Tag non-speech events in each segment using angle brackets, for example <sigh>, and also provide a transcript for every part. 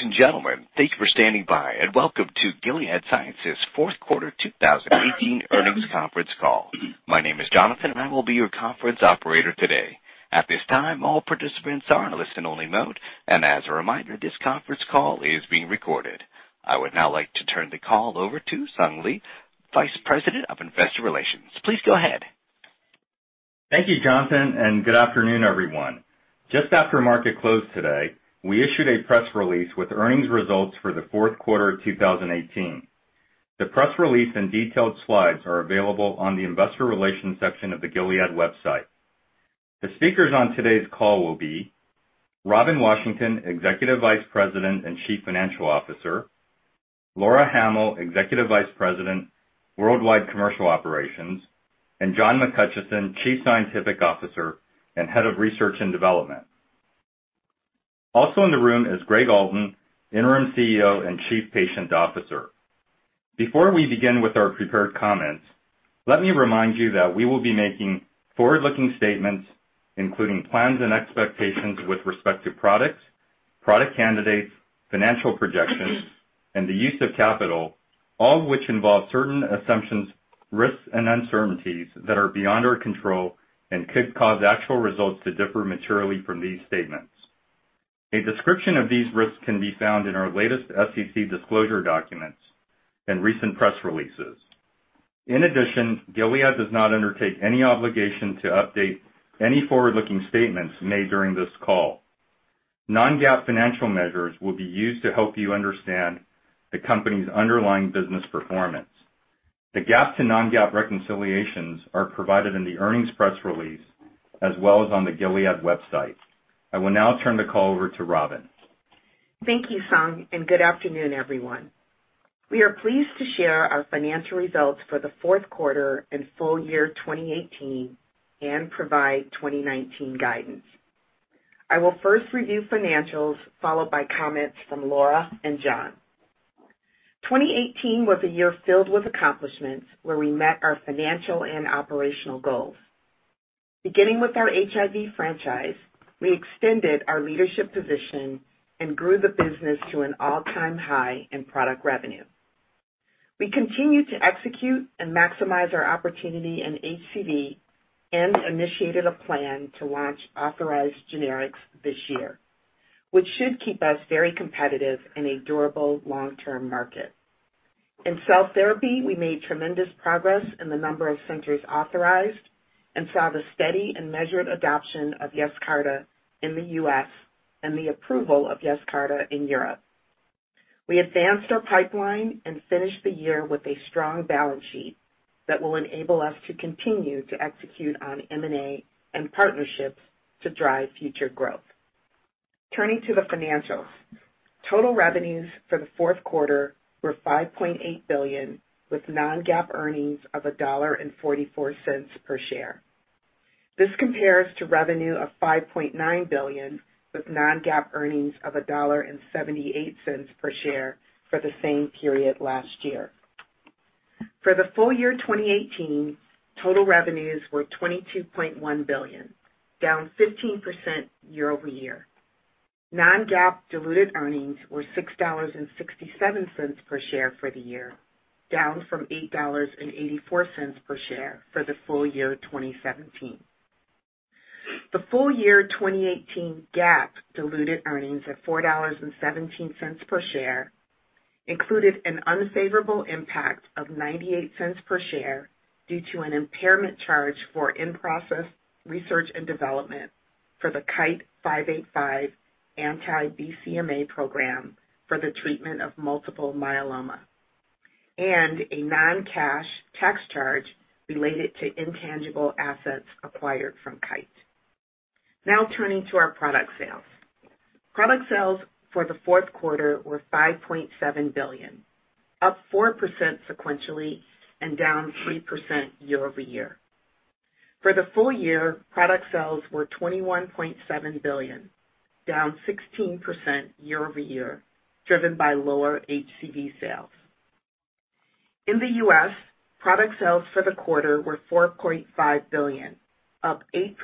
Ladies and gentlemen, thank you for standing by and welcome to Gilead Sciences' fourth quarter 2018 earnings conference call. My name is Jonathan, and I will be your conference operator today. At this time, all participants are in listen-only mode. As a reminder, this conference call is being recorded. I would now like to turn the call over to Sung Lee, Vice President of Investor Relations. Please go ahead. Thank you, Jonathan. Good afternoon, everyone. Just after market close today, we issued a press release with earnings results for the fourth quarter 2018. The press release and detailed slides are available on the investor relations section of the Gilead website. The speakers on today's call will be Robin Washington, Executive Vice President and Chief Financial Officer, Laura Hamill, Executive Vice President, Worldwide Commercial Operations, and John McHutchison, Chief Scientific Officer and Head of Research and Development. Also in the room is Gregg Alton, Interim CEO and Chief Patient Officer. Before we begin with our prepared comments, let me remind you that we will be making forward-looking statements, including plans and expectations with respect to products, product candidates, financial projections, and the use of capital, all of which involve certain assumptions, risks and uncertainties that are beyond our control and could cause actual results to differ materially from these statements. A description of these risks can be found in our latest SEC disclosure documents and recent press releases. In addition, Gilead does not undertake any obligation to update any forward-looking statements made during this call. Non-GAAP financial measures will be used to help you understand the company's underlying business performance. The GAAP to non-GAAP reconciliations are provided in the earnings press release as well as on the Gilead website. I will now turn the call over to Robin. Thank you, Sung. Good afternoon, everyone. We are pleased to share our financial results for the fourth quarter and full year 2018 and provide 2019 guidance. I will first review financials, followed by comments from Laura and John. 2018 was a year filled with accomplishments where we met our financial and operational goals. Beginning with our HIV franchise, we extended our leadership position and grew the business to an all-time high in product revenue. We continued to execute and maximize our opportunity in HCV and initiated a plan to launch authorized generics this year, which should keep us very competitive in a durable long-term market. In cell therapy, we made tremendous progress in the number of centers authorized and saw the steady and measured adoption of Yescarta in the U.S. and the approval of Yescarta in Europe. We advanced our pipeline and finished the year with a strong balance sheet that will enable us to continue to execute on M&A and partnerships to drive future growth. Turning to the financials. Total revenues for the fourth quarter were $5.8 billion, with non-GAAP earnings of $1.44 per share. This compares to revenue of $5.9 billion with non-GAAP earnings of $1.78 per share for the same period last year. For the full year 2018, total revenues were $22.1 billion, down 15% year-over-year. Non-GAAP diluted earnings were $6.67 per share for the year, down from $8.84 per share for the full year 2017. The full year 2018 GAAP diluted earnings of $4.17 per share included an unfavorable impact of $0.98 per share due to an impairment charge for in-process research and development for the KITE-585 anti-BCMA program for the treatment of multiple myeloma, and a non-cash tax charge related to intangible assets acquired from Kite. Turning to our product sales. Product sales for the fourth quarter were $5.7 billion, up 4% sequentially and down 3% year-over-year. For the full year, product sales were $21.7 billion, down 16% year-over-year, driven by lower HCV sales. In the U.S., product sales for the quarter were $4.5 billion, up 8%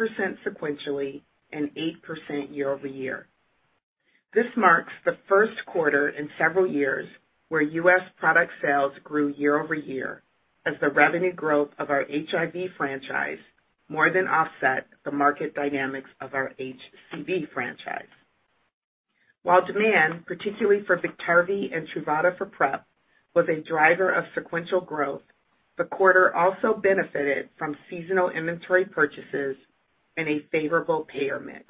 sequentially and 8% year-over-year. This marks the first quarter in several years where U.S. product sales grew year-over-year as the revenue growth of our HIV franchise more than offset the market dynamics of our HCV franchise. While demand, particularly for Biktarvy and Truvada for PrEP, was a driver of sequential growth, the quarter also benefited from seasonal inventory purchases and a favorable payer mix.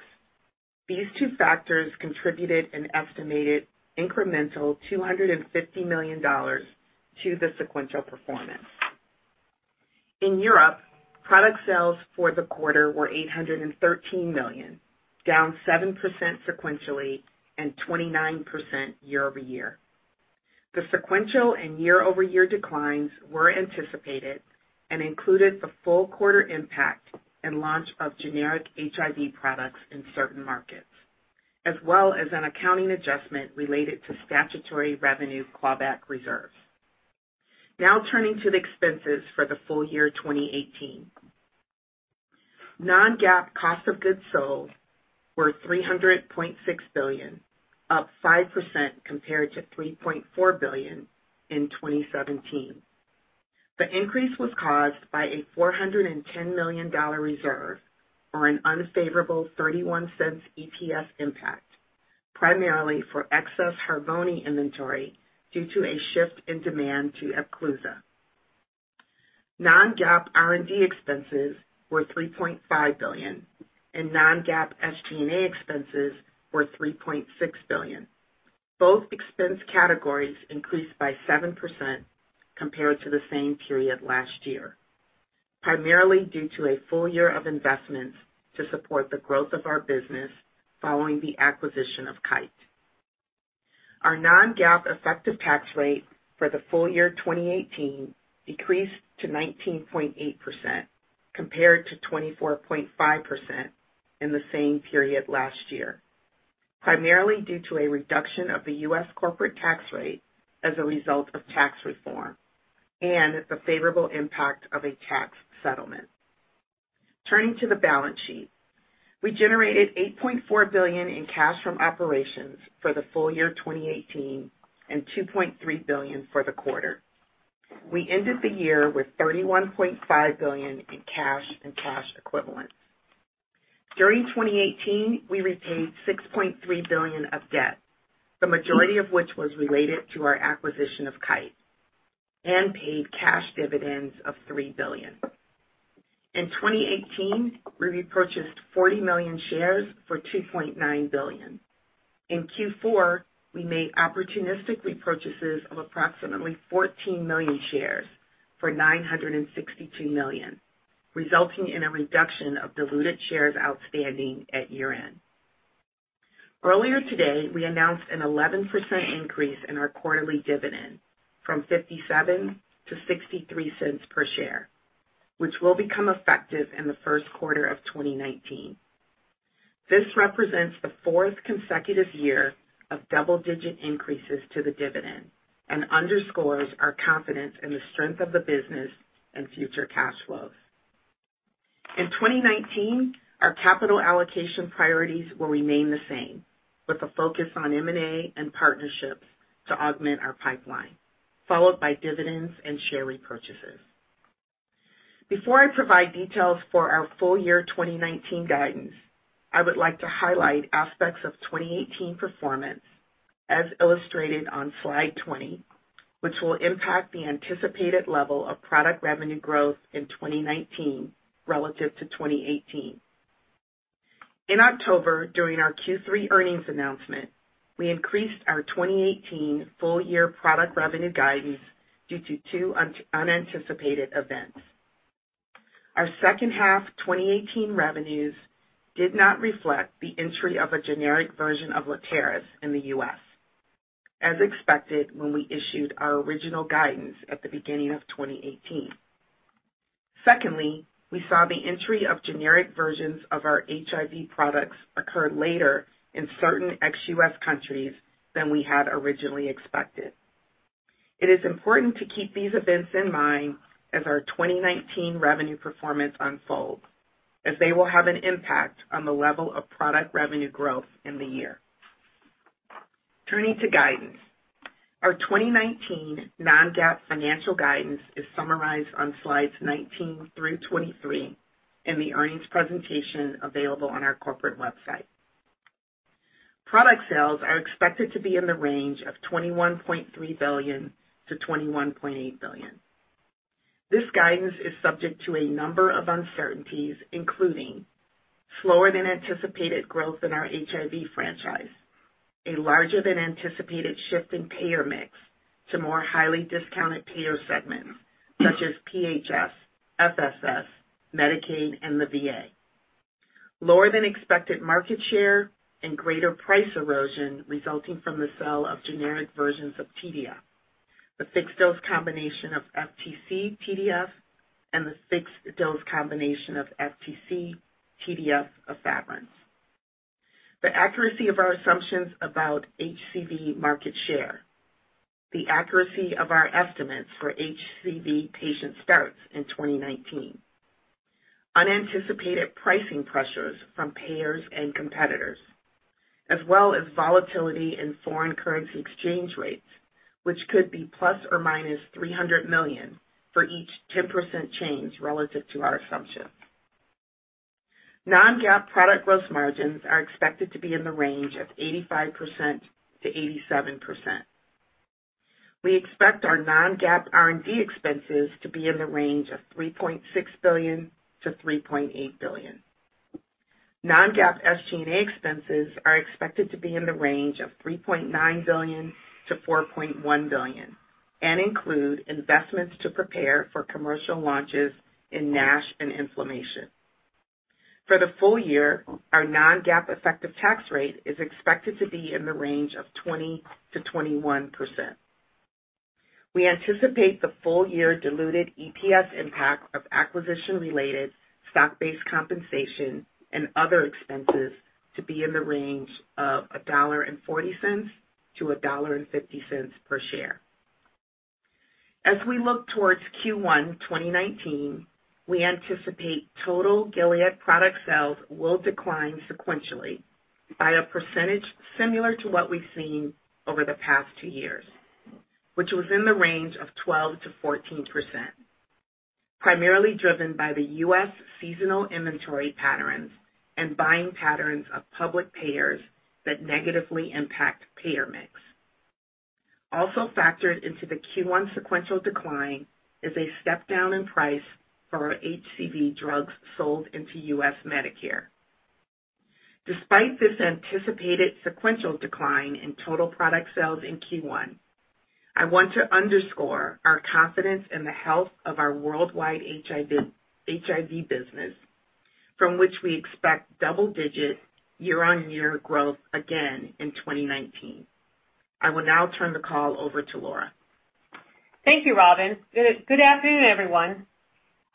These two factors contributed an estimated incremental $250 million to the sequential performance. In Europe, product sales for the quarter were $813 million, down 7% sequentially and 29% year-over-year. The sequential and year-over-year declines were anticipated and included the full quarter impact and launch of generic HIV products in certain markets, as well as an accounting adjustment related to statutory revenue clawback reserves. Turning to the expenses for the full year 2018. Non-GAAP cost of goods sold were $3.6 billion, up 5% compared to $3.4 billion in 2017. The increase was caused by a $410 million reserve or an unfavorable $0.31 EPS impact, primarily for excess Harvoni inventory due to a shift in demand to Epclusa. Non-GAAP R&D expenses were $3.5 billion, and non-GAAP SG&A expenses were $3.6 billion. Both expense categories increased by 7% compared to the same period last year, primarily due to a full year of investments to support the growth of our business following the acquisition of Kite. Our non-GAAP effective tax rate for the full year 2018 decreased to 19.8%, compared to 24.5% in the same period last year, primarily due to a reduction of the U.S. corporate tax rate as a result of tax reform and the favorable impact of a tax settlement. Turning to the balance sheet. We generated $8.4 billion in cash from operations for the full year 2018 and $2.3 billion for the quarter. We ended the year with $31.5 billion in cash and cash equivalents. During 2018, we repaid $6.3 billion of debt, the majority of which was related to our acquisition of Kite, and paid cash dividends of $3 billion. In 2018, we repurchased 40 million shares for $2.9 billion. In Q4, we made opportunistic repurchases of approximately 14 million shares for $962 million, resulting in a reduction of diluted shares outstanding at year-end. Earlier today, we announced an 11% increase in our quarterly dividend from $0.57-$0.63 per share, which will become effective in the first quarter of 2019. This represents the fourth consecutive year of double-digit increases to the dividend and underscores our confidence in the strength of the business and future cash flows. In 2019, our capital allocation priorities will remain the same, with a focus on M&A and partnerships to augment our pipeline, followed by dividends and share repurchases. Before I provide details for our full-year 2019 guidance, I would like to highlight aspects of 2018 performance as illustrated on slide 20, which will impact the anticipated level of product revenue growth in 2019 relative to 2018. In October, during our Q3 earnings announcement, we increased our 2018 full-year product revenue guidance due to two unanticipated events. Our second half 2018 revenues did not reflect the entry of a generic version of Letairis in the U.S., as expected when we issued our original guidance at the beginning of 2018. Secondly, we saw the entry of generic versions of our HIV products occur later in certain ex-U.S. countries than we had originally expected. It is important to keep these events in mind as our 2019 revenue performance unfolds, as they will have an impact on the level of product revenue growth in the year. Turning to guidance. Our 2019 non-GAAP financial guidance is summarized on slides 19 through 23 in the earnings presentation available on our corporate website. Product sales are expected to be in the range of $21.3 billion-$21.8 billion. This guidance is subject to a number of uncertainties, including slower than anticipated growth in our HIV franchise, a larger than anticipated shift in payer mix to more highly discounted payer segments such as PHS, FSS, Medicaid, and the VA, lower than expected market share, and greater price erosion resulting from the sale of generic versions of TDF, the fixed dose combination of FTC/TDF, and the fixed dose combination of FTC/TDF/efavirenz. The accuracy of our assumptions about HCV market share, the accuracy of our estimates for HCV patient starts in 2019, unanticipated pricing pressures from payers and competitors, as well as volatility in foreign currency exchange rates, which could be ±$300 million for each 10% change relative to our assumptions. Non-GAAP product gross margins are expected to be in the range of 85%-87%. We expect our non-GAAP R&D expenses to be in the range of $3.6 billion-$3.8 billion. Non-GAAP SG&A expenses are expected to be in the range of $3.9 billion-$4.1 billion and include investments to prepare for commercial launches in NASH and inflammation. For the full year, our non-GAAP effective tax rate is expected to be in the range of 20%-21%. We anticipate the full-year diluted EPS impact of acquisition-related stock-based compensation and other expenses to be in the range of $1.40-$1.50 per share. As we look towards Q1 2019, we anticipate total Gilead product sales will decline sequentially by a percentage similar to what we've seen over the past two years, which was in the range of 12%-14%, primarily driven by the U.S. seasonal inventory patterns and buying patterns of public payers that negatively impact payer mix. Also factored into the Q1 sequential decline is a step-down in price for our HCV drugs sold into U.S. Medicare. Despite this anticipated sequential decline in total product sales in Q1, I want to underscore our confidence in the health of our worldwide HIV business, from which we expect double-digit year-on-year growth again in 2019. I will now turn the call over to Laura. Thank you, Robin. Good afternoon, everyone.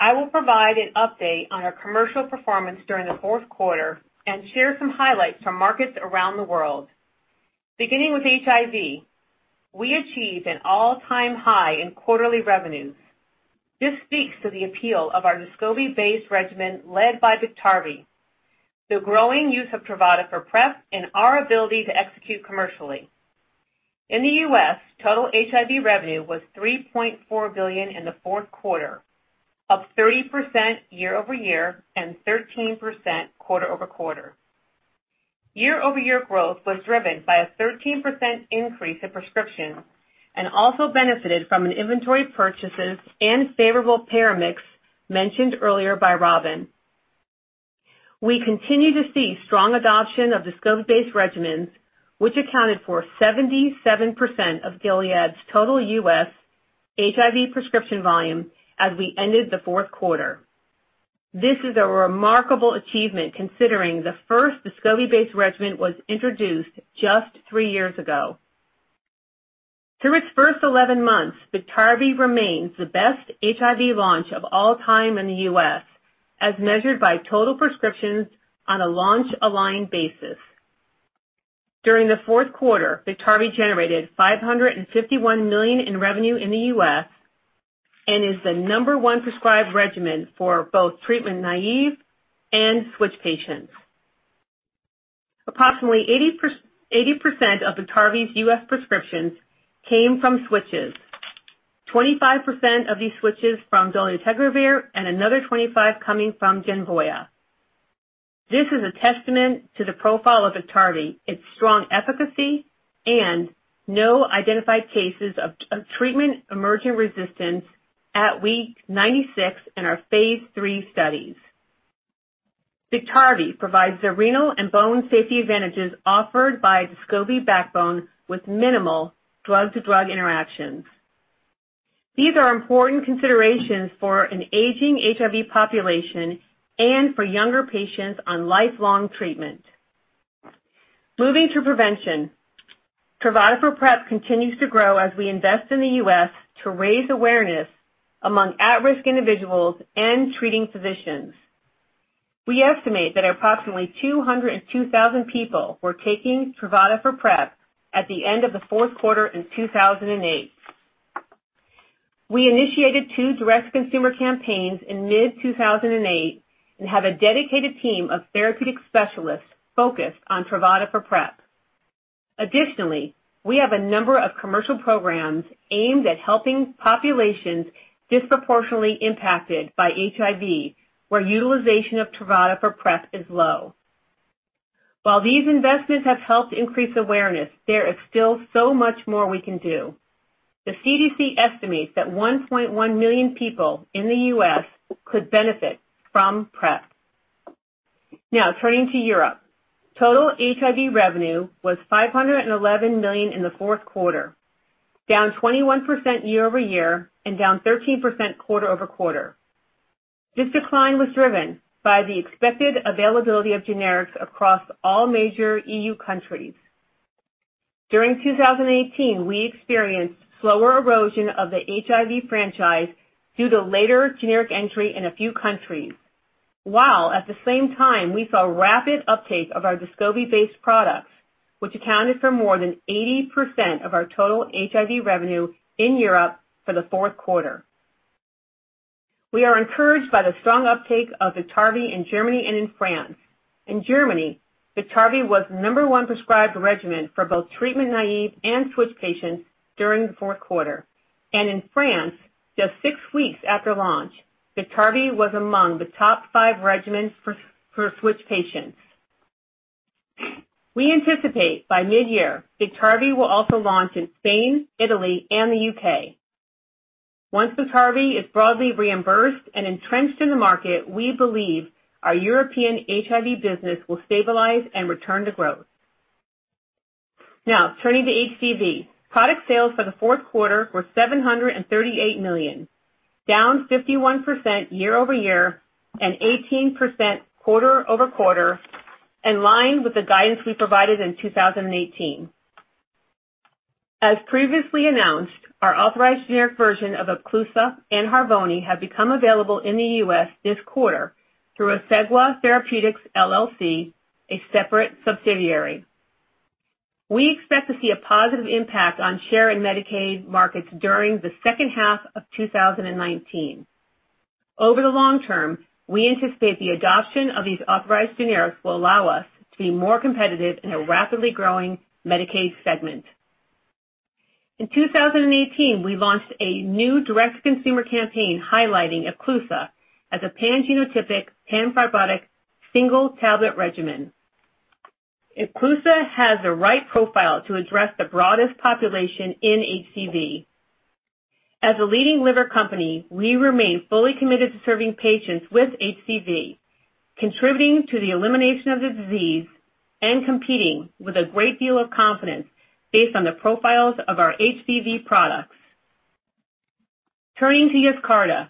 I will provide an update on our commercial performance during the fourth quarter and share some highlights from markets around the world. Beginning with HIV, we achieved an all-time high in quarterly revenues. This speaks to the appeal of our Descovy-based regimen led by Biktarvy, the growing use of Truvada for PrEP, and our ability to execute commercially. In the U.S., total HIV revenue was $3.4 billion in the fourth quarter, up 30% year-over-year and 13% quarter-over-quarter. Year-over-year growth was driven by a 13% increase in prescriptions and also benefited from inventory purchases and favorable payer mix mentioned earlier by Robin. We continue to see strong adoption of Descovy-based regimens, which accounted for 77% of Gilead's total U.S. HIV prescription volume as we ended the fourth quarter. This is a remarkable achievement considering the first Descovy-based regimen was introduced just three years ago. Through its first 11 months, Biktarvy remains the best HIV launch of all time in the U.S., as measured by total prescriptions on a launch-aligned basis. During the fourth quarter, Biktarvy generated $551 million in revenue in the U.S. and is the number one prescribed regimen for both treatment-naïve and switch patients. Approximately 80% of Biktarvy's U.S. prescriptions came from switches, 25% of these switches from dolutegravir and another 25% coming from Genvoya. This is a testament to the profile of Biktarvy, its strong efficacy, and no identified cases of treatment-emergent resistance at week 96 in our phase III studies. Biktarvy provides the renal and bone safety advantages offered by a Descovy backbone with minimal drug-to-drug interactions. These are important considerations for an aging HIV population and for younger patients on lifelong treatment. Moving to prevention, Truvada for PrEP continues to grow as we invest in the U.S. to raise awareness among at-risk individuals and treating physicians. We estimate that approximately 202,000 people were taking Truvada for PrEP at the end of the fourth quarter in 2008. We initiated two direct consumer campaigns in mid-2008 and have a dedicated team of therapeutic specialists focused on Truvada for PrEP. Additionally, we have a number of commercial programs aimed at helping populations disproportionately impacted by HIV, where utilization of Truvada for PrEP is low. While these investments have helped increase awareness, there is still so much more we can do. The CDC estimates that 1.1 million people in the U.S. could benefit from PrEP. Now turning to Europe. Total HIV revenue was $511 million in the fourth quarter, down 21% year-over-year and down 13% quarter-over-quarter. This decline was driven by the expected availability of generics across all major EU countries. During 2018, we experienced slower erosion of the HIV franchise due to later generic entry in a few countries, while at the same time, we saw rapid uptake of our Descovy-based products, which accounted for more than 80% of our total HIV revenue in Europe for the fourth quarter. We are encouraged by the strong uptake of Biktarvy in Germany and in France. In Germany, Biktarvy was the number one prescribed regimen for both treatment-naïve and switch patients during the fourth quarter. In France, just six weeks after launch, Biktarvy was among the top five regimens for switch patients. We anticipate by mid-year, Biktarvy will also launch in Spain, Italy, and the U.K. Once the therapy is broadly reimbursed and entrenched in the market, we believe our European HIV business will stabilize and return to growth. Turning to HCV. Product sales for the fourth quarter were $738 million, down 51% year-over-year and 18% quarter-over-quarter, in line with the guidance we provided in 2018. As previously announced, our authorized generic version of Epclusa and Harvoni have become available in the U.S. this quarter through Asegua Therapeutics LLC, a separate subsidiary. We expect to see a positive impact on share in Medicaid markets during the second half of 2019. Over the long term, we anticipate the adoption of these authorized generics will allow us to be more competitive in a rapidly growing Medicaid segment. In 2018, we launched a new direct-to-consumer campaign highlighting Epclusa as a pan-genotypic, pan-fibrotic single-tablet regimen. Epclusa has the right profile to address the broadest population in HCV. As a leading liver company, we remain fully committed to serving patients with HCV, contributing to the elimination of the disease, and competing with a great deal of confidence based on the profiles of our HCV products. Turning to Yescarta.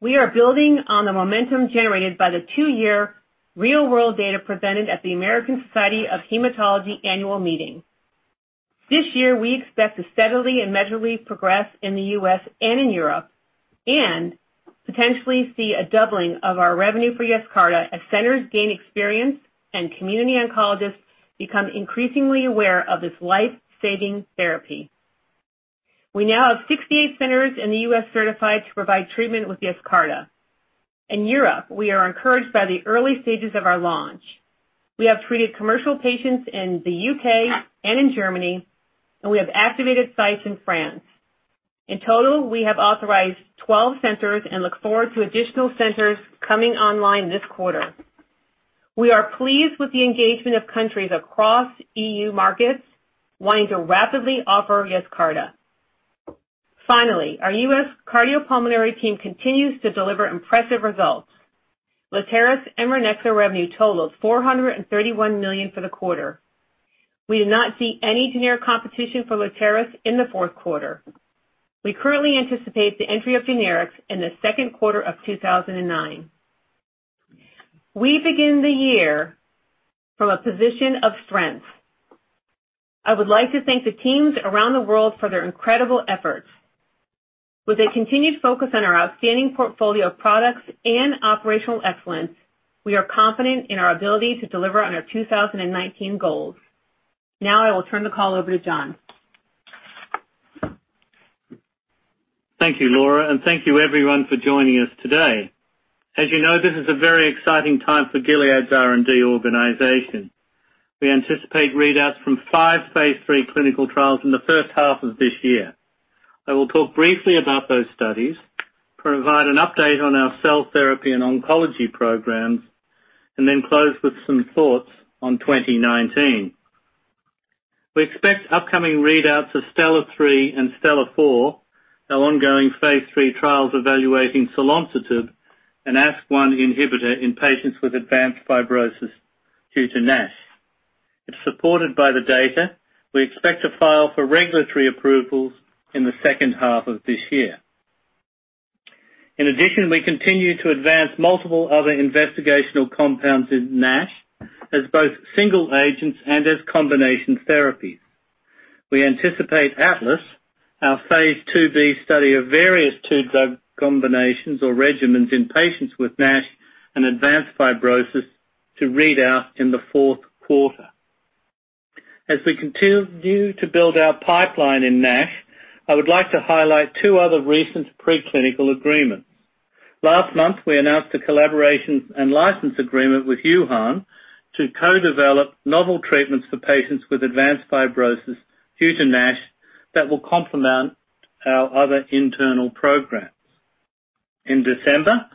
We are building on the momentum generated by the two-year real-world data presented at the American Society of Hematology Annual Meeting. This year, we expect to steadily and measurably progress in the U.S. and in Europe and potentially see a doubling of our revenue for Yescarta as centers gain experience and community oncologists become increasingly aware of this life-saving therapy. We now have 68 centers in the U.S. certified to provide treatment with Yescarta. In Europe, we are encouraged by the early stages of our launch. We have treated commercial patients in the U.K. and in Germany, and we have activated sites in France. In total, we have authorized 12 centers and look forward to additional centers coming online this quarter. We are pleased with the engagement of countries across EU markets wanting to rapidly offer Yescarta. Finally, our U.S. cardiopulmonary team continues to deliver impressive results. Letairis and Ranexa revenue totaled $431 million for the quarter. We did not see any generic competition for Letairis in the fourth quarter. We currently anticipate the entry of generics in the second quarter of 2009. We begin the year from a position of strength. I would like to thank the teams around the world for their incredible efforts. With a continued focus on our outstanding portfolio of products and operational excellence, we are confident in our ability to deliver on our 2019 goals. I will turn the call over to John. Thank you, Laura, and thank you, everyone, for joining us today. As you know, this is a very exciting time for Gilead's R&D organization. We anticipate readouts from five phase III clinical trials in the first half of this year. I will talk briefly about those studies, provide an update on our cell therapy and oncology programs, and then close with some thoughts on 2019. We expect upcoming readouts of STELLAR-3 and STELLAR-4, our ongoing phase III trials evaluating selonsertib, an ASK1 inhibitor in patients with advanced fibrosis due to NASH. If supported by the data, we expect to file for regulatory approvals in the second half of this year. In addition, we continue to advance multiple other investigational compounds in NASH as both single agents and as combination therapies. We anticipate ATLAS, our phase II-B study of various two-drug combinations or regimens in patients with NASH and advanced fibrosis, to read out in the fourth quarter. As we continue to build our pipeline in NASH, I would like to highlight two other recent preclinical agreements. Last month, we announced a collaboration and license agreement with Yuhan to co-develop novel treatments for patients with advanced fibrosis due to NASH that will complement our other internal programs. In December,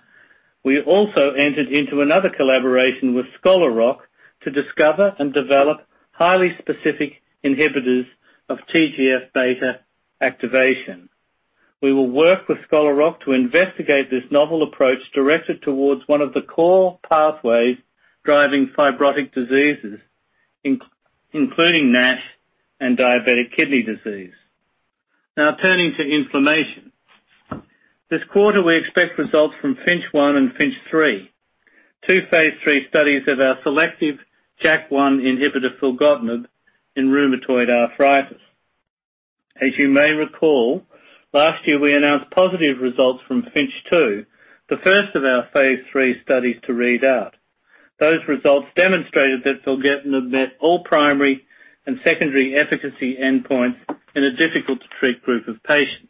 we also entered into another collaboration with Scholar Rock to discover and develop highly specific inhibitors of TGF-beta activation. We will work with Scholar Rock to investigate this novel approach directed towards one of the core pathways driving fibrotic diseases, including NASH and diabetic kidney disease. Turning to inflammation. This quarter, we expect results from FINCH-1 and FINCH-3, two phase III studies of our selective JAK1 inhibitor, filgotinib, in rheumatoid arthritis. As you may recall, last year, we announced positive results from FINCH-2, the first of our phase III studies to read out. Those results demonstrated that filgotinib met all primary and secondary efficacy endpoints in a difficult-to-treat group of patients.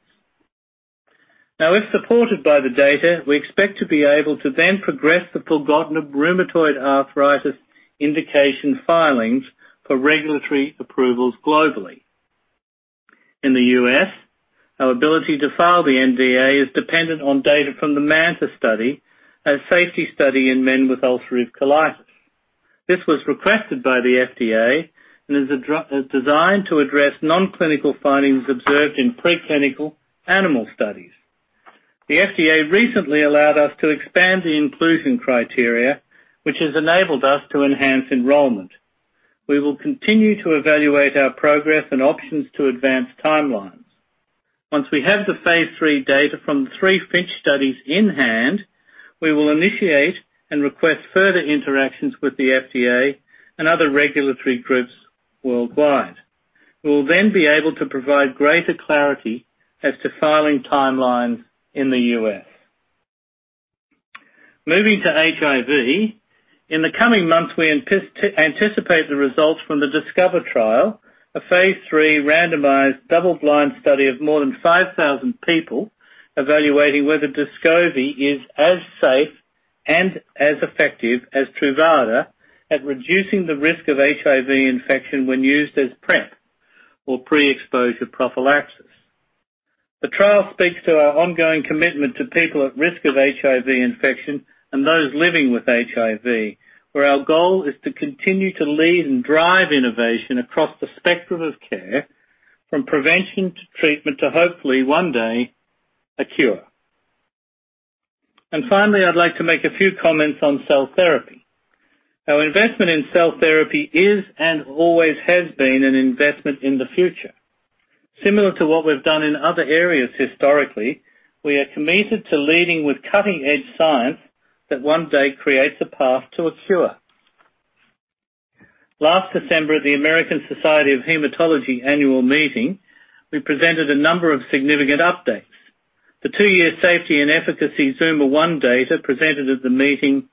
If supported by the data, we expect to be able to then progress the filgotinib rheumatoid arthritis indication filings for regulatory approvals globally. In the U.S., our ability to file the NDA is dependent on data from the MANTA study, a safety study in men with ulcerative colitis. This was requested by the FDA and is designed to address non-clinical findings observed in preclinical animal studies. The FDA recently allowed us to expand the inclusion criteria, which has enabled us to enhance enrollment. We will continue to evaluate our progress and options to advance timelines. Once we have the phase III data from the three FINCH studies in hand, we will initiate and request further interactions with the FDA and other regulatory groups worldwide. We will be able to provide greater clarity as to filing timelines in the U.S. Moving to HIV. In the coming months, we anticipate the results from the DISCOVER trial, a phase III randomized double-blind study of more than 5,000 people evaluating whether Descovy is as safe and as effective as Truvada at reducing the risk of HIV infection when used as PrEP or pre-exposure prophylaxis. The trial speaks to our ongoing commitment to people at risk of HIV infection and those living with HIV, where our goal is to continue to lead and drive innovation across the spectrum of care, from prevention to treatment to hopefully one day a cure. I'd like to make a few comments on cell therapy. Our investment in cell therapy is and always has been an investment in the future. Similar to what we've done in other areas historically, we are committed to leading with cutting-edge science that one day creates a path to a cure. Last December, at the American Society of Hematology annual meeting, we presented a number of significant updates. The two-year safety and efficacy ZUMA-1 data presented at the meeting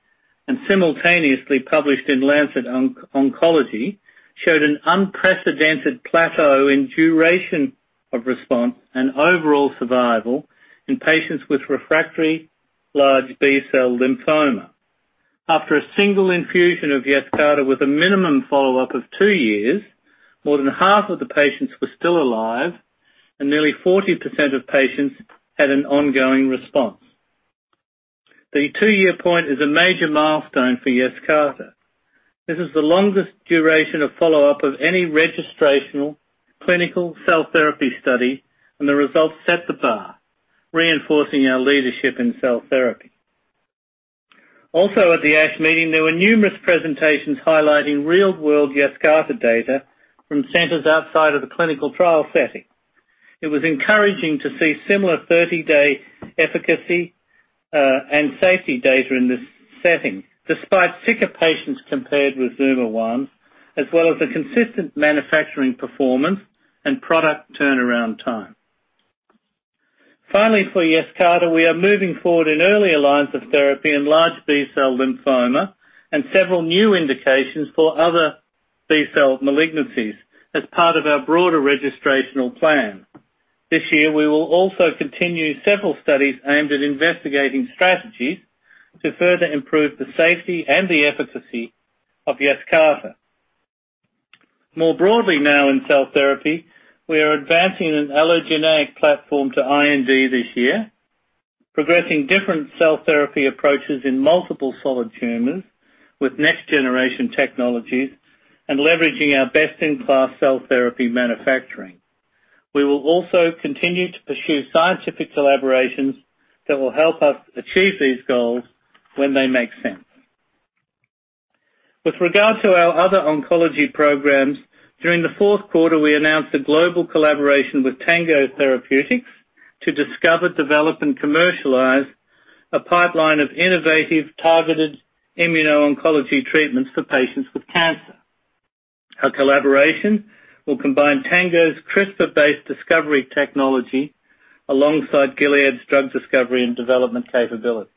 and simultaneously published in "Lancet Oncology" showed an unprecedented plateau in duration of response and overall survival in patients with refractory large B-cell lymphoma. After a single infusion of Yescarta with a minimum follow-up of two years, more than half of the patients were still alive, and nearly 40% of patients had an ongoing response. The two-year point is a major milestone for Yescarta. This is the longest duration of follow-up of any registrational clinical cell therapy study, the results set the bar, reinforcing our leadership in cell therapy. Also, at the ASH meeting, there were numerous presentations highlighting real-world Yescarta data from centers outside of the clinical trial setting. It was encouraging to see similar 30-day efficacy and safety data in this setting, despite sicker patients compared with ZUMA-1, as well as a consistent manufacturing performance and product turnaround time. For Yescarta, we are moving forward in earlier lines of therapy in large B-cell lymphoma and several new indications for other B-cell malignancies as part of our broader registrational plan. This year, we will also continue several studies aimed at investigating strategies to further improve the safety and the efficacy of Yescarta. More broadly now in cell therapy, we are advancing an allogeneic platform to IND this year, progressing different cell therapy approaches in multiple solid tumors with next-generation technologies and leveraging our best-in-class cell therapy manufacturing. We will also continue to pursue scientific collaborations that will help us achieve these goals when they make sense. With regard to our other oncology programs, during the fourth quarter, we announced a global collaboration with Tango Therapeutics to discover, develop, and commercialize a pipeline of innovative, targeted immuno-oncology treatments for patients with cancer. Our collaboration will combine Tango's CRISPR-based discovery technology alongside Gilead's drug discovery and development capabilities.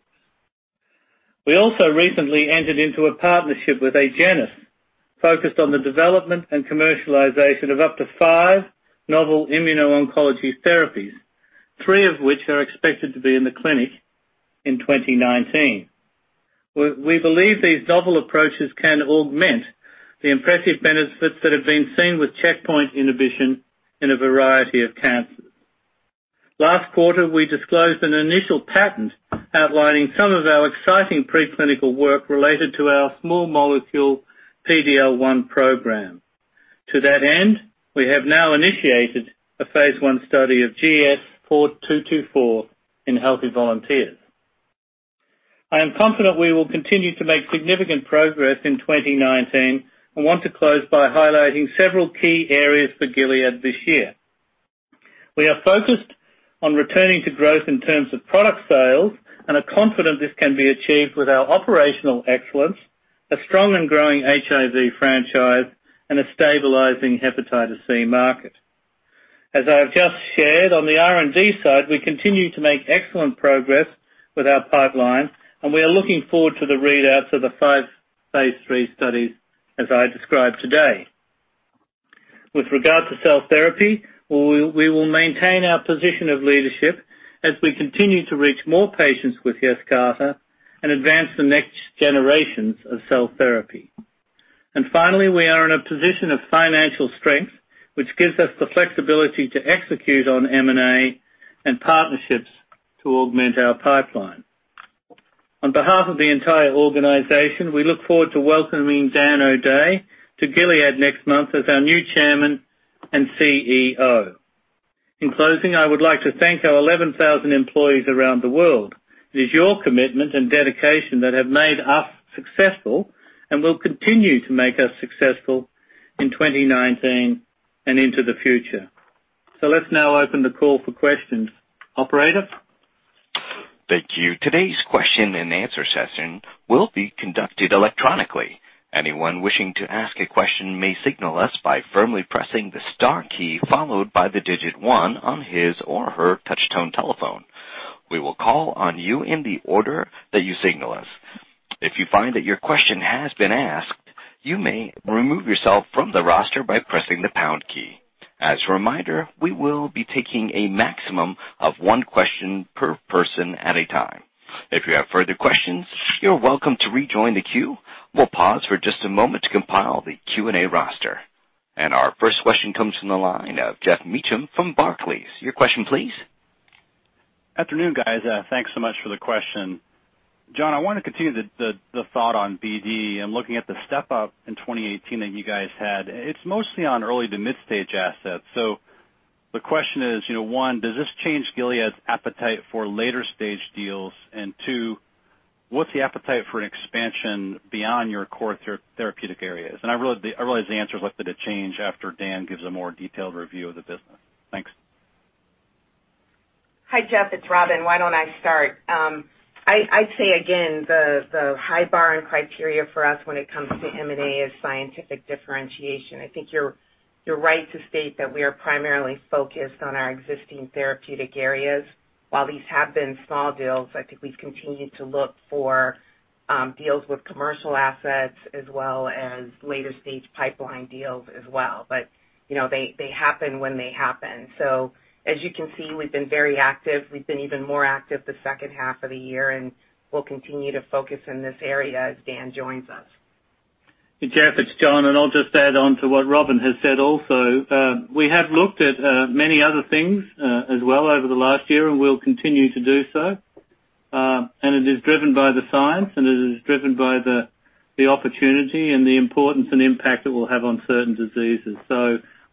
We also recently entered into a partnership with Agenus focused on the development and commercialization of up to five novel immuno-oncology therapies, three of which are expected to be in the clinic in 2019. We believe these novel approaches can augment the impressive benefits that have been seen with checkpoint inhibition in a variety of cancers. Last quarter, we disclosed an initial patent outlining some of our exciting preclinical work related to our small molecule PD-L1 program. To that end, we have now initiated a phase I study of GS-4224 in healthy volunteers. I am confident we will continue to make significant progress in 2019 and want to close by highlighting several key areas for Gilead this year. We are focused on returning to growth in terms of product sales and are confident this can be achieved with our operational excellence, a strong and growing HIV franchise, and a stabilizing hepatitis C market. As I have just shared on the R&D side, we continue to make excellent progress with our pipeline, and we are looking forward to the readouts of the five phase III studies as I described today. With regard to cell therapy, we will maintain our position of leadership as we continue to reach more patients with Yescarta and advance the next-generations of cell therapy. Finally, we are in a position of financial strength, which gives us the flexibility to execute on M&A and partnerships to augment our pipeline. On behalf of the entire organization, we look forward to welcoming Dan O'Day to Gilead next month as our new Chairman and CEO. In closing, I would like to thank our 11,000 employees around the world. It is your commitment and dedication that have made us successful and will continue to make us successful in 2019 and into the future. Let's now open the call for questions. Operator? Thank you. Today's question-and-answer session will be conducted electronically. Anyone wishing to ask a question may signal us by firmly pressing the star key, followed by the digit one on his or her touchtone telephone. We will call on you in the order that you signal us. If you find that your question has been asked, you may remove yourself from the roster by pressing the pound key. As a reminder, we will be taking a maximum of one question per person at a time. If you have further questions, you're welcome to rejoin the queue. We'll pause for just a moment to compile the Q&A roster. Our first question comes from the line of Geoff Meacham from Barclays. Your question, please. Afternoon, guys. Thanks so much for the question. John, I want to continue the thought on BD and looking at the step-up in 2018 that you guys had. It's mostly on early to mid-stage assets. The question is, one, does this change Gilead's appetite for later-stage deals? Two, what's the appetite for an expansion beyond your core therapeutic areas? I realize the answer is likely to change after Dan gives a more detailed review of the business. Thanks. Hi, Geoff. It's Robin. Why don't I start? I'd say again, the high bar and criteria for us when it comes to M&A is scientific differentiation. I think you're right to state that we are primarily focused on our existing therapeutic areas. While these have been small deals, I think we've continued to look for deals with commercial assets as well as later-stage pipeline deals as well. They happen when they happen. As you can see, we've been very active. We've been even more active the second half of the year, and we'll continue to focus in this area as Dan joins us. Hey, Geoff, it's John. I'll just add on to what Robin has said also. We have looked at many other things as well over the last year. We'll continue to do so. It is driven by the science, and it is driven by the opportunity and the importance and impact it will have on certain diseases.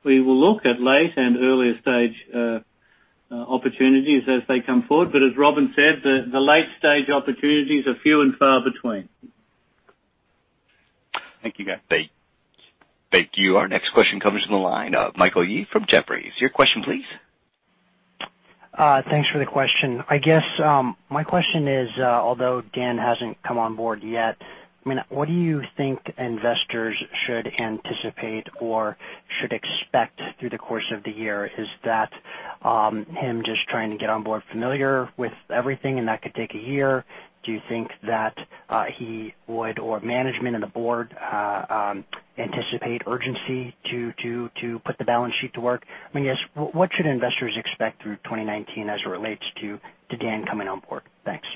We will look at late and earlier-stage opportunities as they come forward. As Robin said, the late-stage opportunities are few and far between. Thank you, guys. Thank you. Our next question comes from the line of Michael Yee from Jefferies. Your question, please. Thanks for the question. My question is although Dan hasn't come on board yet, what do you think investors should anticipate or should expect through the course of the year? Is that him just trying to get on board, familiar with everything, and that could take a year? Do you think that he would, or management and the Board anticipate urgency to put the balance sheet to work? What should investors expect through 2019 as it relates to Dan coming on board? Thanks.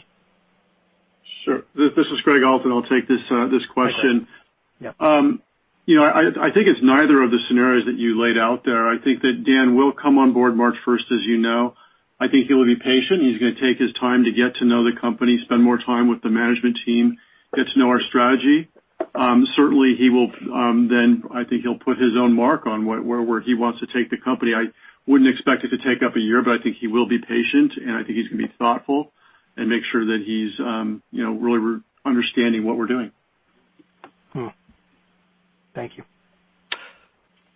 Sure. This is Gregg Alton. I'll take this question. Yeah. I think it's neither of the scenarios that you laid out there. I think that Dan will come on board March 1st, as you know. I think he will be patient. He's going to take his time to get to know the company, spend more time with the management team, get to know our strategy. Certainly, he will then, I think he'll put his own mark on where he wants to take the company. I wouldn't expect it to take up a year, but I think he will be patient, and I think he's going to be thoughtful and make sure that he's really understanding what we're doing. Thank you.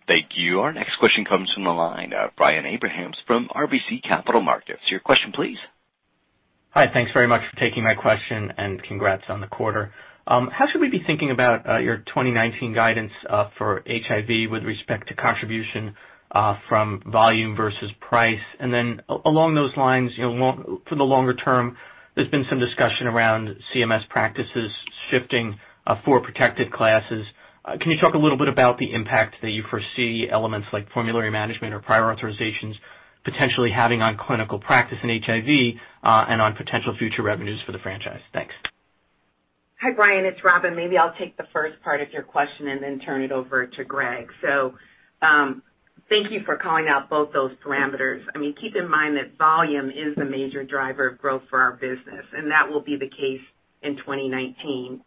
Thank you. Our next question comes from the line of Brian Abrahams from RBC Capital Markets. Your question, please. Hi. Thanks very much for taking my question and congrats on the quarter. How should we be thinking about your 2019 guidance for HIV with respect to contribution from volume versus price? Then along those lines, for the longer term, there's been some discussion around CMS practices shifting for protected classes. Can you talk a little bit about the impact that you foresee elements like formulary management or prior authorizations potentially having on clinical practice in HIV and on potential future revenues for the franchise? Thanks. Hi, Brian. It's Robin. Maybe I'll take the first part of your question and then turn it over to Gregg. Thank you for calling out both those parameters. Keep in mind that volume is the major driver of growth for our business, and that will be the case in 2019.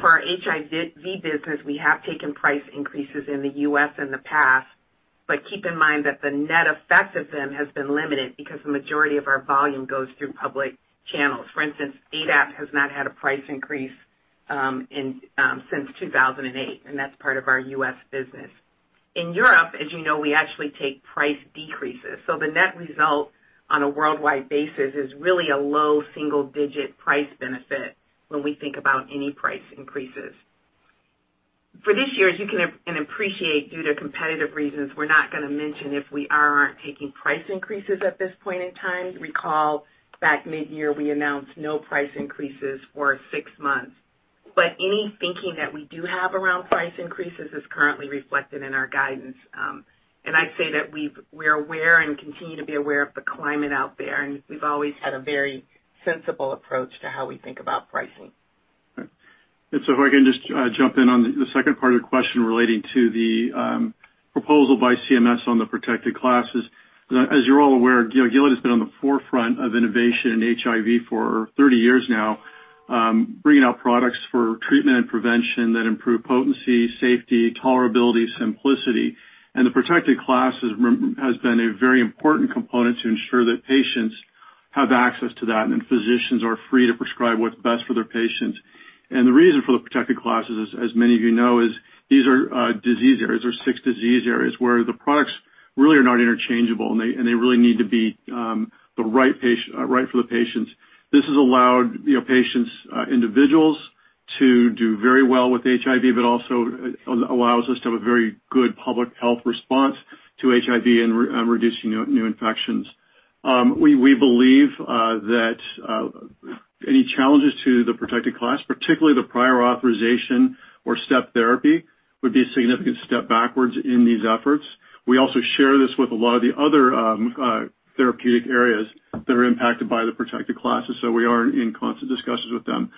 For our HIV business, we have taken price increases in the U.S. in the past, but keep in mind that the net effect of them has been limited because the majority of our volume goes through public channels. For instance, ADAP has not had a price increase since 2018, and that's part of our U.S. business. In Europe, as you know, we actually take price decreases. The net result on a worldwide basis is really a low single-digit price benefit when we think about any price increases. For this year, as you can appreciate due to competitive reasons, we're not going to mention if we are or aren't taking price increases at this point in time. Recall back mid-year, we announced no price increases for six months, but any thinking that we do have around price increases is currently reflected in our guidance. I'd say that we're aware and continue to be aware of the climate out there, and we've always had a very sensible approach to how we think about pricing. If I can just jump in on the second part of the question relating to the proposal by CMS on the Protected Classes. As you're all aware, Gilead has been on the forefront of innovation in HIV for 30 years now bringing out products for treatment and prevention that improve potency, safety, tolerability, simplicity. The Protected Classes has been a very important component to ensure that patients have access to that and physicians are free to prescribe what's best for their patients. The reason for the Protected Classes, as many of you know, is these are disease areas or six disease areas where the products really are not interchangeable, and they really need to be right for the patients. This has allowed individuals to do very well with HIV, but also allows us to have a very good public health response to HIV and reducing new infections. We believe that any challenges to the Protected Class, particularly the prior authorization or Step therapy, would be a significant step backwards in these efforts. We also share this with a lot of the other therapeutic areas that are impacted by the Protected Classes, so we are in constant discussions with them.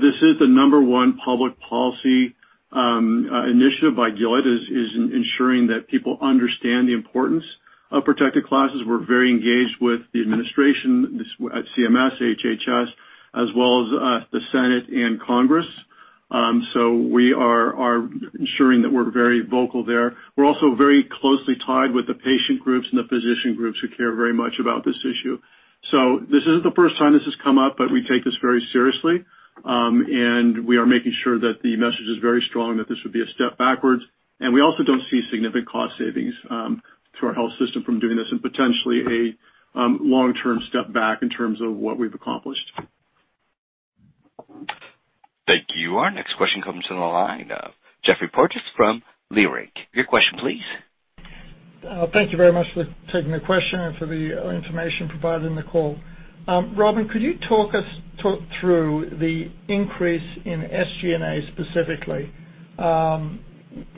This is the number one public policy initiative by Gilead, is ensuring that people understand the importance of Protected Classes. We're very engaged with the administration at CMS, HHS, as well as the Senate and Congress. We are ensuring that we're very vocal there. We're also very closely tied with the patient groups and the physician groups who care very much about this issue. This isn't the first time this has come up, but we take this very seriously. We are making sure that the message is very strong and that this would be a step backwards. We also don't see significant cost savings to our health system from doing this and potentially a long-term step back in terms of what we've accomplished. Thank you. Our next question comes from the line of Geoffrey Porges from Leerink. Your question, please. Thank you very much for taking the question and for the information provided in the call. Robin, could you talk us through the increase in SG&A specifically?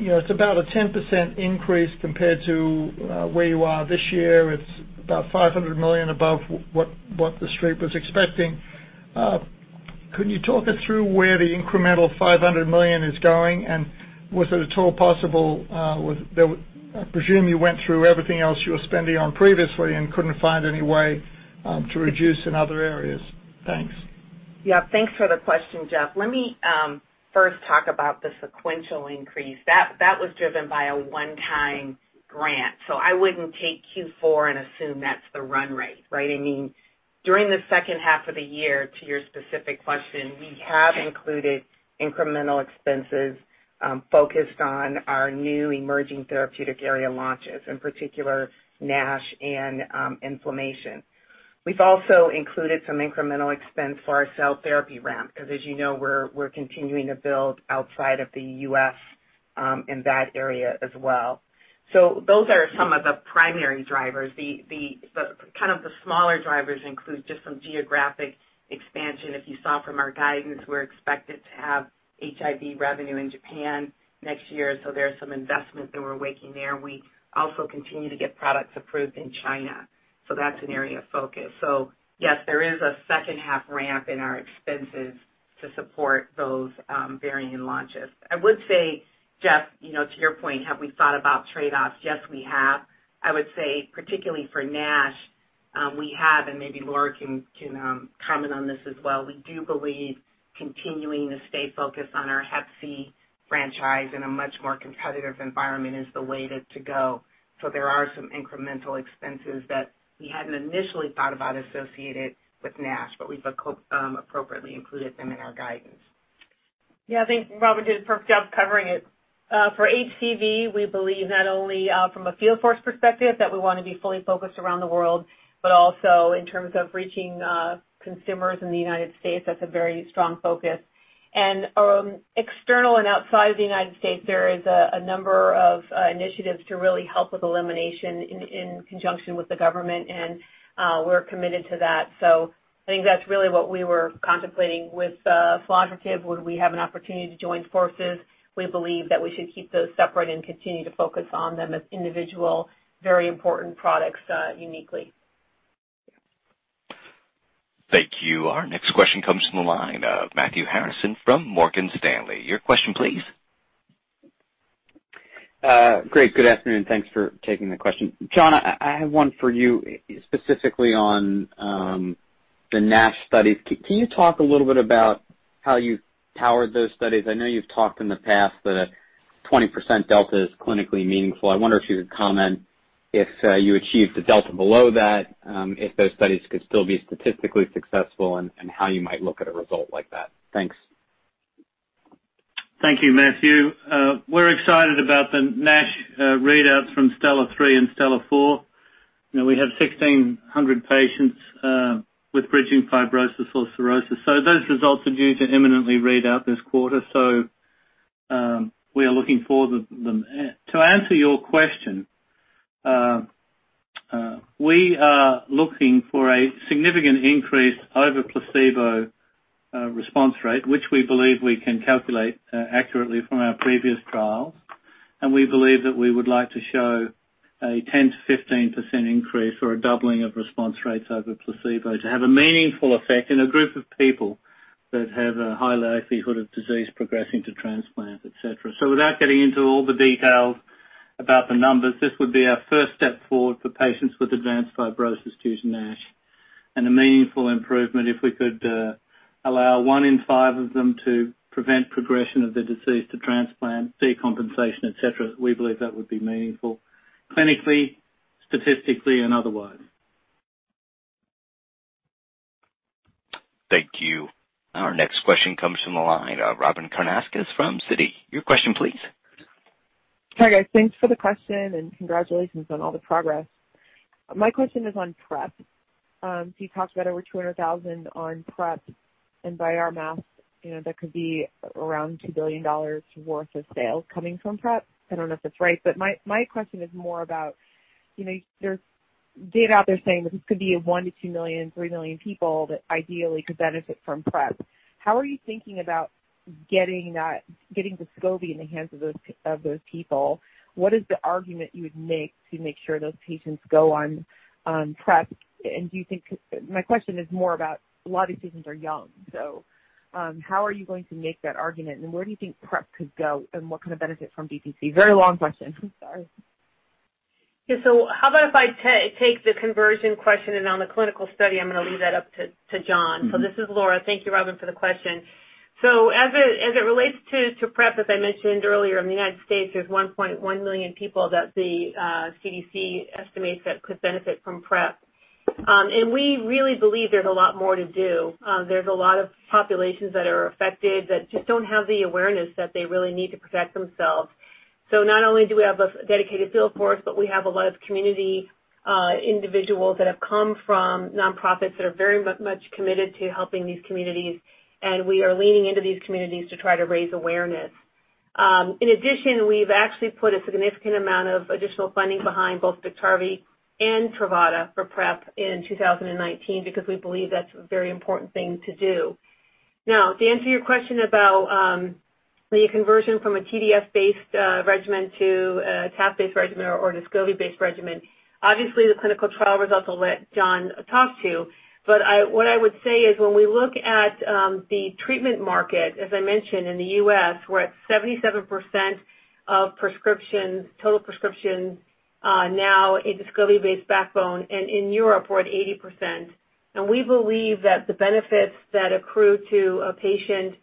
It's about a 10% increase compared to where you are this year. It's about $500 million above what the street was expecting. Could you talk us through where the incremental $500 million is going, and was it at all possible, I presume you went through everything else you were spending on previously and couldn't find any way to reduce in other areas. Thanks. Thanks for the question, Geoff. Let me first talk about the sequential increase. That was driven by a one-time grant. I wouldn't take Q4 and assume that's the run rate, right? During the second half of the year, to your specific question, we have included incremental expenses focused on our new emerging therapeutic area launches, in particular NASH and inflammation. We've also included some incremental expense for our cell therapy ramp, because as you know, we're continuing to build outside of the U.S. in that area as well. Those are some of the primary drivers. The smaller drivers include just some geographic expansion. If you saw from our guidance, we're expected to have HIV revenue in Japan next year, there's some investment that we're making there. We also continue to get products approved in China, that's an area of focus. Yes, there is a second-half ramp in our expenses to support those varying launches. I would say, Geoff, to your point, have we thought about trade-offs? Yes, we have. I would say particularly for NASH, we have, and maybe Laura can comment on this as well. We do believe continuing to stay focused on our HCV franchise in a much more competitive environment is the way to go. There are some incremental expenses that we hadn't initially thought about associated with NASH, but we've appropriately included them in our guidance. I think Robin did a perfect job covering it. For HCV, we believe not only from a field force perspective that we want to be fully focused around the world, but also in terms of reaching consumers in the United States, that's a very strong focus. External and outside the United States, there is a number of initiatives to really help with elimination in conjunction with the government, and we're committed to that. I think that's really what we were contemplating with, <audio distortion> would we have an opportunity to join forces. We believe that we should keep those separate and continue to focus on them as individual, very important products, uniquely. Thank you. Our next question comes from the line of Matthew Harrison from Morgan Stanley. Your question, please. Great. Good afternoon. Thanks for taking the question. John, I have one for you specifically on the NASH studies. Can you talk a little bit about how you powered those studies? I know you've talked in the past that a 20% delta is clinically meaningful. I wonder if you could comment if you achieved a delta below that, if those studies could still be statistically successful and how you might look at a result like that. Thanks. Thank you, Matthew. We are excited about the NASH readouts from STELLAR-3 and STELLAR-4. We have 1,600 patients with bridging fibrosis or cirrhosis. Those results are due to imminently read out this quarter, we are looking forward to them. To answer your question, we are looking for a significant increase over placebo response rate, which we believe we can calculate accurately from our previous trials. We believe that we would like to show a 10%-15% increase or a doubling of response rates over placebo to have a meaningful effect in a group of people that have a high likelihood of disease progressing to transplant, et cetera. Without getting into all the details about the numbers, this would be our first step forward for patients with advanced fibrosis due to NASH. A meaningful improvement if we could allow one in five of them to prevent progression of their disease to transplant, decompensation, et cetera. We believe that would be meaningful clinically, statistically, and otherwise. Thank you. Our next question comes from the line of Robyn Karnauskas from Citi. Your question, please. Hi, guys. Thanks for the question and congratulations on all the progress. My question is on PrEP. You talked about over 200,000 on PrEP, by our math, that could be around $2 billion worth of sales coming from PrEP. I don't know if that's right, my question is more about, there's data out there saying that this could be 1 million-2 million, 3 million people that ideally could benefit from PrEP. How are you thinking about getting Descovy in the hands of those people? What is the argument you would make to make sure those patients go on PrEP? My question is more about a lot of these patients are young, how are you going to make that argument and where do you think PrEP could go and what kind of benefit from DTC? Very long question. Sorry. How about if I take the conversion question on the clinical study, I'm going to leave that up to John. This is Laura. Thank you, Robyn, for the question. As it relates to PrEP, as I mentioned earlier, in the U.S., there's 1.1 million people that the CDC estimates that could benefit from PrEP. We really believe there's a lot more to do. There's a lot of populations that are affected that just don't have the awareness that they really need to protect themselves. Not only do we have a dedicated sales force, we have a lot of community individuals that have come from nonprofits that are very much committed to helping these communities, we are leaning into these communities to try to raise awareness. In addition, we've actually put a significant amount of additional funding behind both Biktarvy and Truvada for PrEP in 2019 because we believe that's a very important thing to do. To answer your question about the conversion from a TDF-based regimen to a TAF-based regimen or a Descovy-based regimen. Obviously, the clinical trial results I'll let John talk to. What I would say is when we look at the treatment market, as I mentioned, in the U.S., we're at 77% of total prescriptions now a Descovy-based backbone, in Europe, we're at 80%. We believe that the benefits that accrue to a patient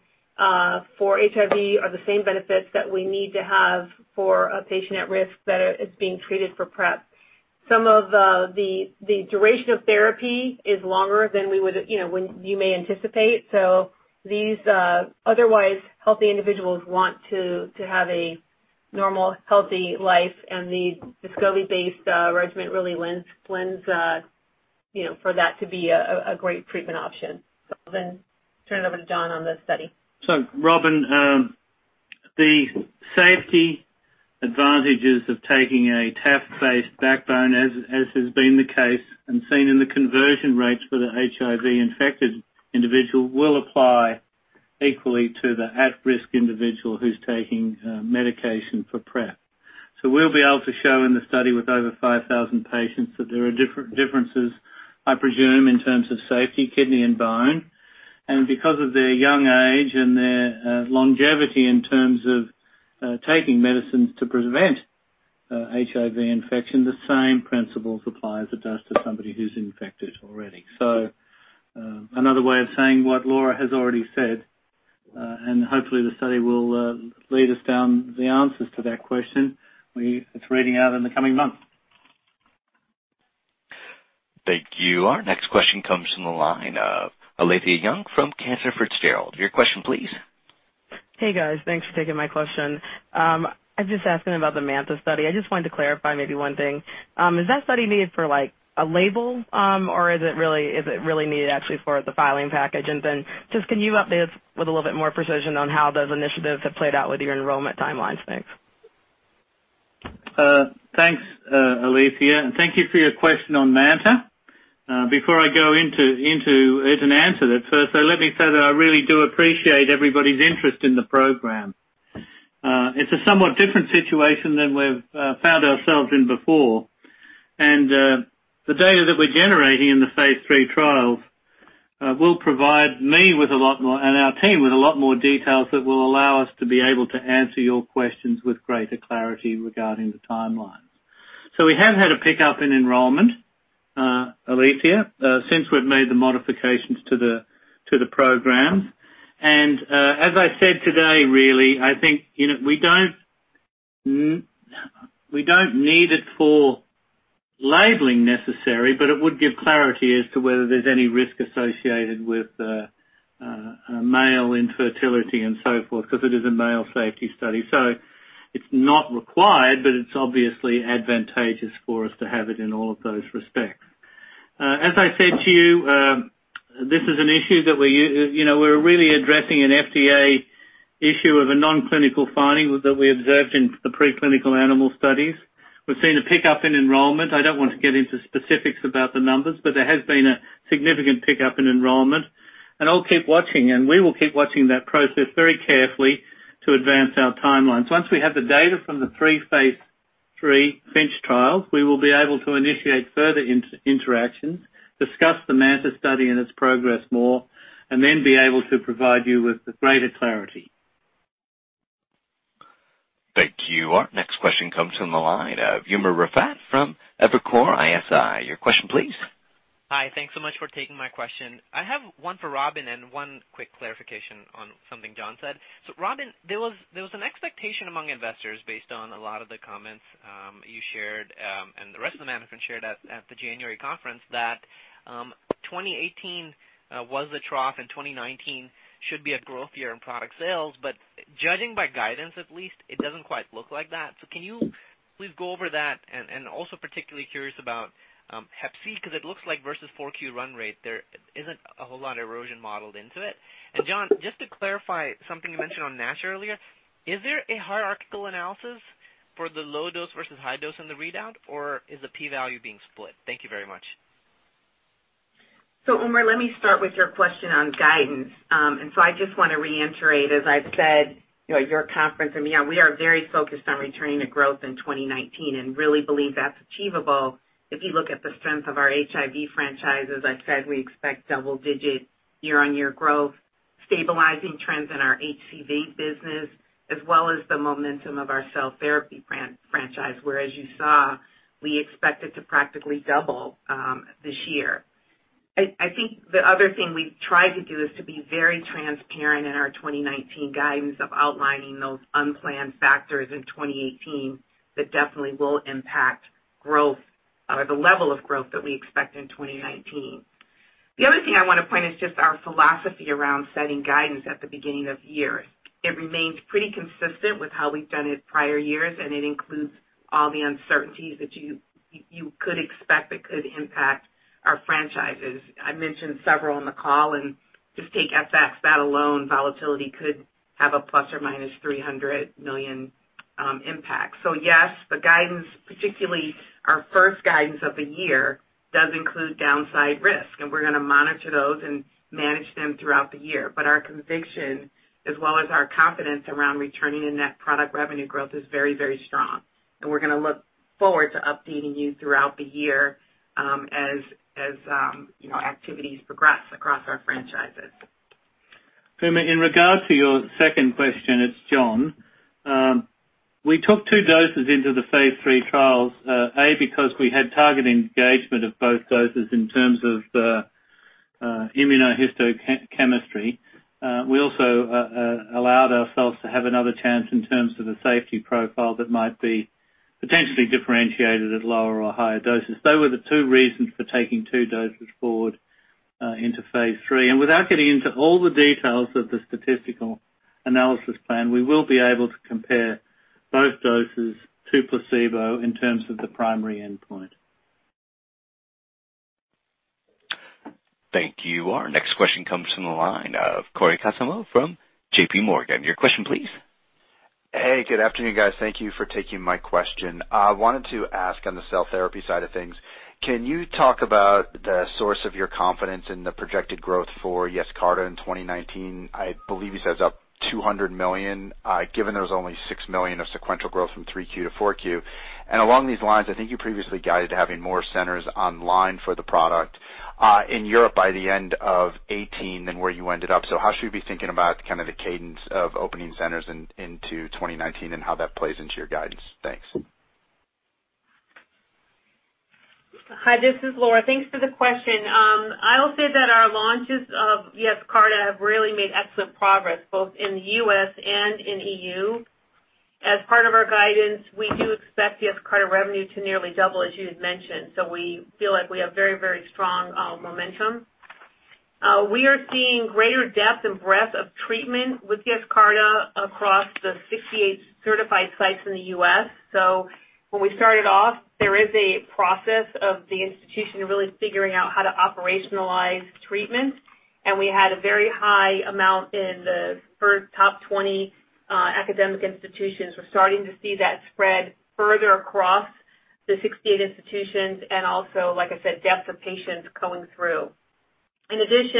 for HIV are the same benefits that we need to have for a patient at risk that is being treated for PrEP. Some of the duration of therapy is longer than you may anticipate. These otherwise healthy individuals want to have a normal, healthy life, the Descovy-based regimen really lends for that to be a great treatment option. Turn it over to John on the study. Robyn, the safety advantages of taking a TAF-based backbone as has been the case and seen in the conversion rates for the HIV-infected individual will apply equally to the at-risk individual who's taking medication for PrEP. We'll be able to show in the study with over 5,000 patients that there are differences, I presume, in terms of safety, kidney, and bone. Because of their young age and their longevity in terms of taking medicines to prevent HIV infection, the same principles apply as it does to somebody who's infected already. Another way of saying what Laura has already said, hopefully the study will lead us down the answers to that question. It's reading out in the coming months. Thank you. Our next question comes from the line of Alethia Young from Cantor Fitzgerald. Your question, please. Hey, guys. Thanks for taking my question. I'm just asking about the MANTA study. I just wanted to clarify maybe one thing. Is that study needed for a label or is it really needed actually for the filing package? Just can you update us with a little bit more precision on how those initiatives have played out with your enrollment timelines? Thanks. Thanks, Alethia, and thank you for your question on MANTA. Before I go into it and answer that first, though, let me say that I really do appreciate everybody's interest in the program. It's a somewhat different situation than we've found ourselves in before. The data that we're generating in the phase III trials will provide me and our team with a lot more details that will allow us to be able to answer your questions with greater clarity regarding the timelines. We have had a pickup in enrollment, Alethia, since we've made the modifications to the program. As I said today, really, I think we don't need it for labeling necessary, but it would give clarity as to whether there's any risk associated with male infertility and so forth, because it is a male safety study, so it's not required, but it's obviously advantageous for us to have it in all of those respects. As I said to you, this is an issue that we're really addressing an FDA issue of a non-clinical finding that we observed in the preclinical animal studies. We've seen a pickup in enrollment. I don't want to get into specifics about the numbers, but there has been a significant pickup in enrollment, and I'll keep watching, and we will keep watching that process very carefully to advance our timelines. Once we have the data from the three phase III FINCH trials, we will be able to initiate further interactions, discuss the MANTA study and its progress more, and then be able to provide you with greater clarity. Thank you. Our next question comes from the line of Umer Raffat from Evercore ISI. Your question, please. Hi. Thanks so much for taking my question. I have one for Robin and one quick clarification on something John said. Robin, there was an expectation among investors based on a lot of the comments you shared, and the rest of the management shared at the January conference that 2018 was the trough and 2019 should be a growth year in product sales, judging by guidance at least, it doesn't quite look like that. Can you please go over that? Also particularly curious about HCV because it looks like versus Q4 run rate, there isn't a whole lot of erosion modeled into it. John, just to clarify something you mentioned on NASH earlier, is there a hierarchical analysis for the low dose versus high dose in the readout, or is the P value being split? Thank you very much. Umer, let me start with your question on guidance. I just want to reiterate, as I've said at your conference, we are very focused on returning to growth in 2019 and really believe that's achievable if you look at the strength of our HIV franchise. As I've said, we expect double digits year-over-year growth, stabilizing trends in our HCV business, as well as the momentum of our cell therapy franchise, where as you saw, we expect it to practically double this year. I think the other thing we've tried to do is to be very transparent in our 2019 guidance of outlining those unplanned factors in 2018 that definitely will impact growth or the level of growth that we expect in 2019. The other thing I want to point is just our philosophy around setting guidance at the beginning of the year. It remains pretty consistent with how we've done it prior years, it includes all the uncertainties that you could expect that could impact our franchises. I mentioned several on the call, just take FX, that alone volatility could have a ±$300 million impact. Yes, the guidance, particularly our first guidance of the year, does include downside risk, we're going to monitor those and manage them throughout the year. Our conviction, as well as our confidence around returning a net product revenue growth is very, very strong. We're going to look forward to updating you throughout the year as activities progress across our franchises. Umer, in regards to your second question, it's John. We took two doses into the phase III trials. Because we had target engagement of both doses in terms of Immunohistochemistry. We also allowed ourselves to have another chance in terms of the safety profile that might be potentially differentiated at lower or higher doses. They were the two reasons for taking two doses forward into phase III. Without getting into all the details of the statistical analysis plan, we will be able to compare both doses to placebo in terms of the primary endpoint. Thank you. Our next question comes from the line of Cory Kasimov from JPMorgan. Your question, please. Hey, good afternoon, guys. Thank you for taking my question. I wanted to ask on the cell therapy side of things, can you talk about the source of your confidence in the projected growth for Yescarta in 2019? I believe you said it's up $200 million, given there was only $6 million of sequential growth from 3Q-4Q. Along these lines, I think you previously guided having more centers online for the product in Europe by the end of 2018 than where you ended up. How should we be thinking about kind of the cadence of opening centers into 2019 and how that plays into your guidance? Thanks. Hi, this is Laura. Thanks for the question. I will say that our launches of Yescarta have really made excellent progress both in the U.S. and in EU. As part of our guidance, we do expect Yescarta revenue to nearly double, as you had mentioned. We feel like we have very strong momentum. We are seeing greater depth and breadth of treatment with Yescarta across the 68 certified sites in the U.S. When we started off, there is a process of the institution really figuring out how to operationalize treatment, and we had a very high amount in the top 20 academic institutions. We're starting to see that spread further across the 68 institutions and also, like I said, depth of patients going through. At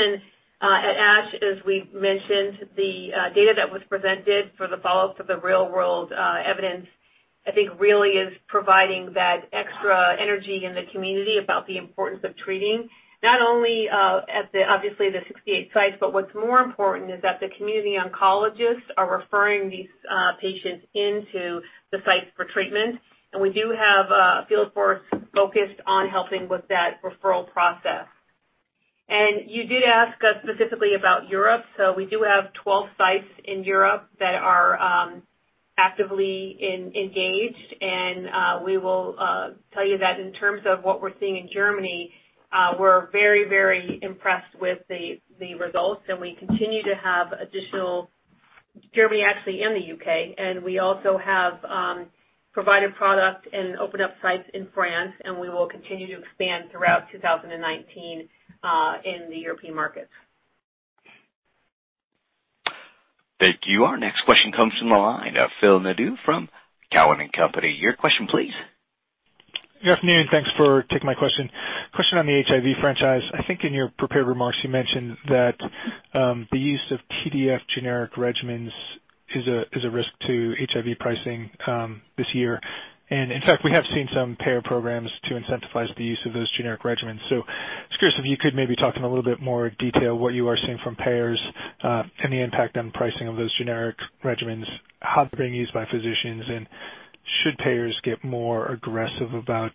ASH as we've mentioned, the data that was presented for the follow-up for the real-world evidence, I think really is providing that extra energy in the community about the importance of treating not only at the, obviously the 68 sites, but what's more important is that the community oncologists are referring these patients into the sites for treatment. We do have a field force focused on helping with that referral process. You did ask us specifically about Europe. We do have 12 sites in Europe that are actively engaged and we will tell you that in terms of what we're seeing in Germany, we're very impressed with the results. We continue to have additional Germany actually and the U.K. We also have provided product and opened up sites in France and we will continue to expand throughout 2019 in the European markets. Thank you. Our next question comes from the line of Phil Nadeau from Cowen and Company. Your question, please. Good afternoon. Thanks for taking my question. Question on the HIV franchise. I think in your prepared remarks you mentioned that the use of TDF generic regimens is a risk to HIV pricing this year. In fact, we have seen some payer programs to incentivize the use of those generic regimens. I was curious if you could maybe talk in a little bit more detail what you are seeing from payers, any impact on pricing of those generic regimens, how they're being used by physicians, and should payers get more aggressive about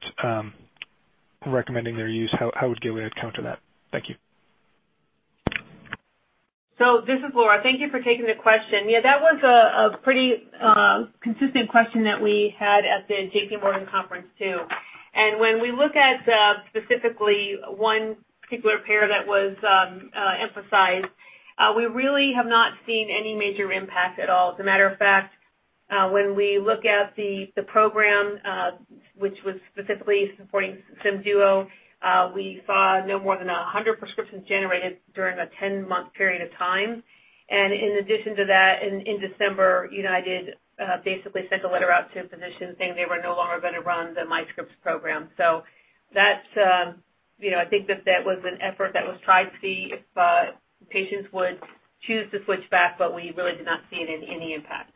recommending their use, how would Gilead counter that? Thank you. This is Laura. Thank you for taking the question. Yeah, that was a pretty consistent question that we had at the JPMorgan conference, too. When we look at specifically one particular pair that was emphasized, we really have not seen any major impact at all. As a matter of fact, when we look at the program, which was specifically supporting SYMTUZA, we saw no more than 100 prescriptions generated during a 10-month period of time. In addition to that, in December, UnitedHealthcare basically sent a letter out to physicians saying they were no longer going to run the MyScripts program. I think that that was an effort that was tried to see if patients would choose to switch back, but we really did not see it in any impact.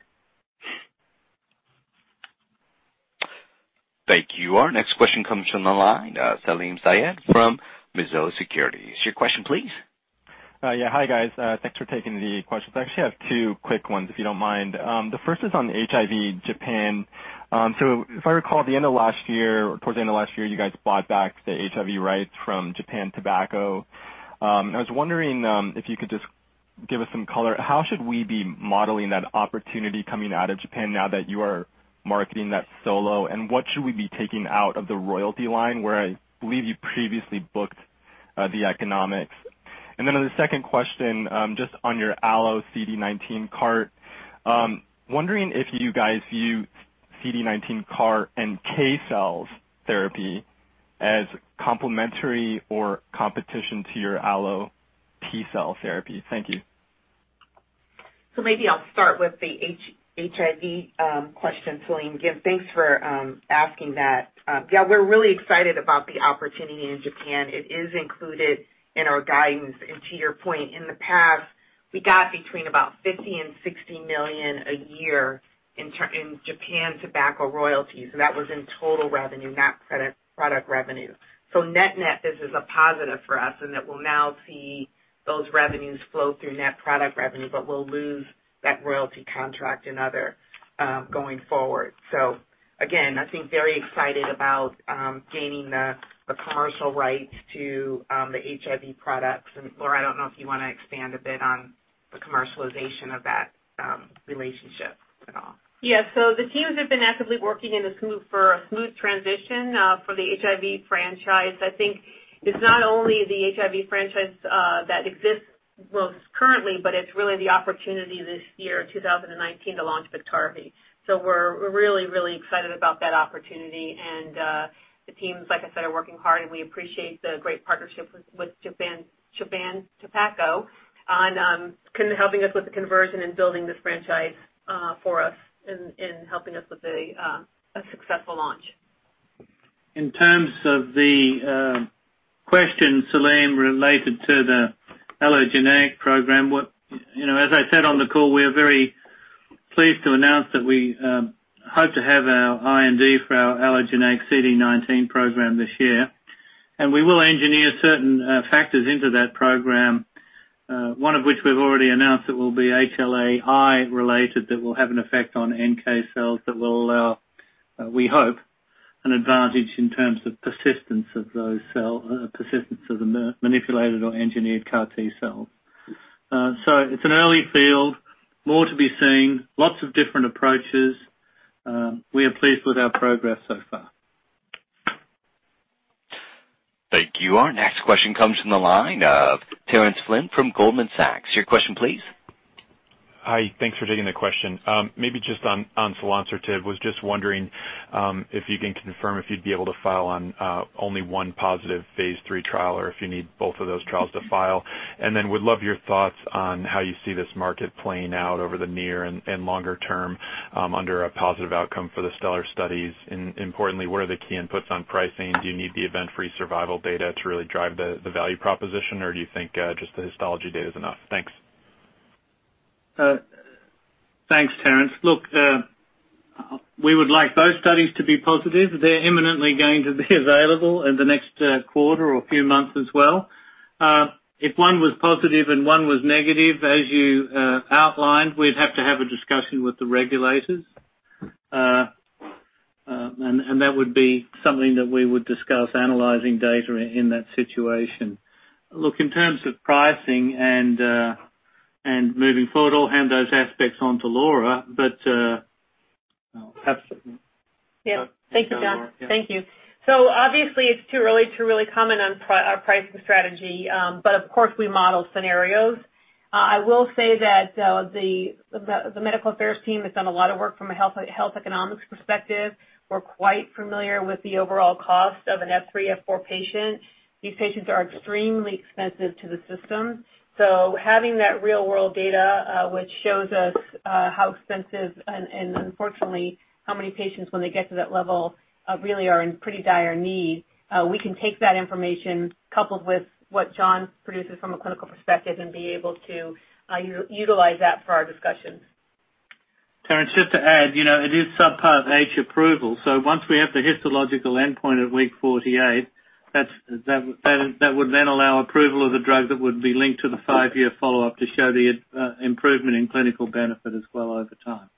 Thank you. Our next question comes from the line, Salim Syed from Mizuho Securities. Your question, please. Hi, guys. Thanks for taking the questions. I actually have two quick ones, if you don't mind. The first is on HIV Japan. If I recall, at the end of 2018, or towards the end of 2018, you guys bought back the HIV rights from Japan Tobacco. I was wondering if you could just give us some color, how should we be modeling that opportunity coming out of Japan now that you are marketing that solo? What should we be taking out of the royalty line, where I believe you previously booked the economics? On the second question, just on your Allogeneic CD19 CAR-T. Wondering if you guys view CD19 CAR-NK cells therapy as complementary or competition to your Allogeneic T-cell therapy. Thank you. Maybe I'll start with the HIV question, Salim. Again, thanks for asking that. We're really excited about the opportunity in Japan. It is included in our guidance. To your point, in the past, we got between about $50 million-$60 million a year in Japan Tobacco royalties. That was in total revenue, not product revenue. Net-net, this is a positive for us, and that we'll now see those revenues flow through net product revenue, but we'll lose that royalty contract and other going forward. Again, I think very excited about gaining the commercial rights to the HIV products. Laura, I don't know if you want to expand a bit on the commercialization of that relationship at all. The teams have been actively working for a smooth transition for the HIV franchise. I think it's not only the HIV franchise that exists most currently, but it's really the opportunity this year, 2019, to launch Biktarvy. We're really excited about that opportunity, and the teams, like I said, are working hard, and we appreciate the great partnership with Japan Tobacco on helping us with the conversion and building this franchise for us and helping us with a successful launch. In terms of the question, Salim, related to the Allogeneic program, as I said on the call, we are very pleased to announce that we hope to have our IND for our Allogeneic CD19 program this year, and we will engineer certain factors into that program. One of which we've already announced, it will be HLA-I related that will have an effect on NK cells that will allow, we hope, an advantage in terms of persistence of the manipulated or engineered CAR-T cells. It's an early field. More to be seen, lots of different approaches. We are pleased with our progress so far. Thank you. Our next question comes from the line of Terence Flynn from Goldman Sachs. Your question, please. Hi. Thanks for taking the question. Maybe just on selonsertib, was just wondering if you can confirm if you'd be able to file on only one positive phase III trial, or if you need both of those trials to file. Then would love your thoughts on how you see this market playing out over the near and longer term under a positive outcome for the STELLAR studies. Importantly, what are the key inputs on pricing? Do you need the event-free survival data to really drive the value proposition, or do you think just the histology data is enough? Thanks. Thanks, Terence. Look, we would like both studies to be positive. They're imminently going to be available in the next quarter or few months as well. If one was positive and one was negative, as you outlined, we'd have to have a discussion with the regulators. That would be something that we would discuss analyzing data in that situation. Look, in terms of pricing and moving forward, I'll hand those aspects on to Laura, absolutely. Thank you, John. Thank you. Obviously, it's too early to really comment on our pricing strategy, but of course, we model scenarios. I will say that the medical affairs team has done a lot of work from a health economics perspective. We're quite familiar with the overall cost of an F3, F4 patient. These patients are extremely expensive to the system. Having that real-world data which shows us how expensive and unfortunately, how many patients when they get to that level really are in pretty dire need. We can take that information coupled with what John produces from a clinical perspective and be able to utilize that for our discussions. Terence, just to add, it is Subpart H approval, once we have the histological endpoint at week 48, that would then allow approval of the drug that would be linked to the five-year follow-up to show the improvement in clinical benefit as well over time.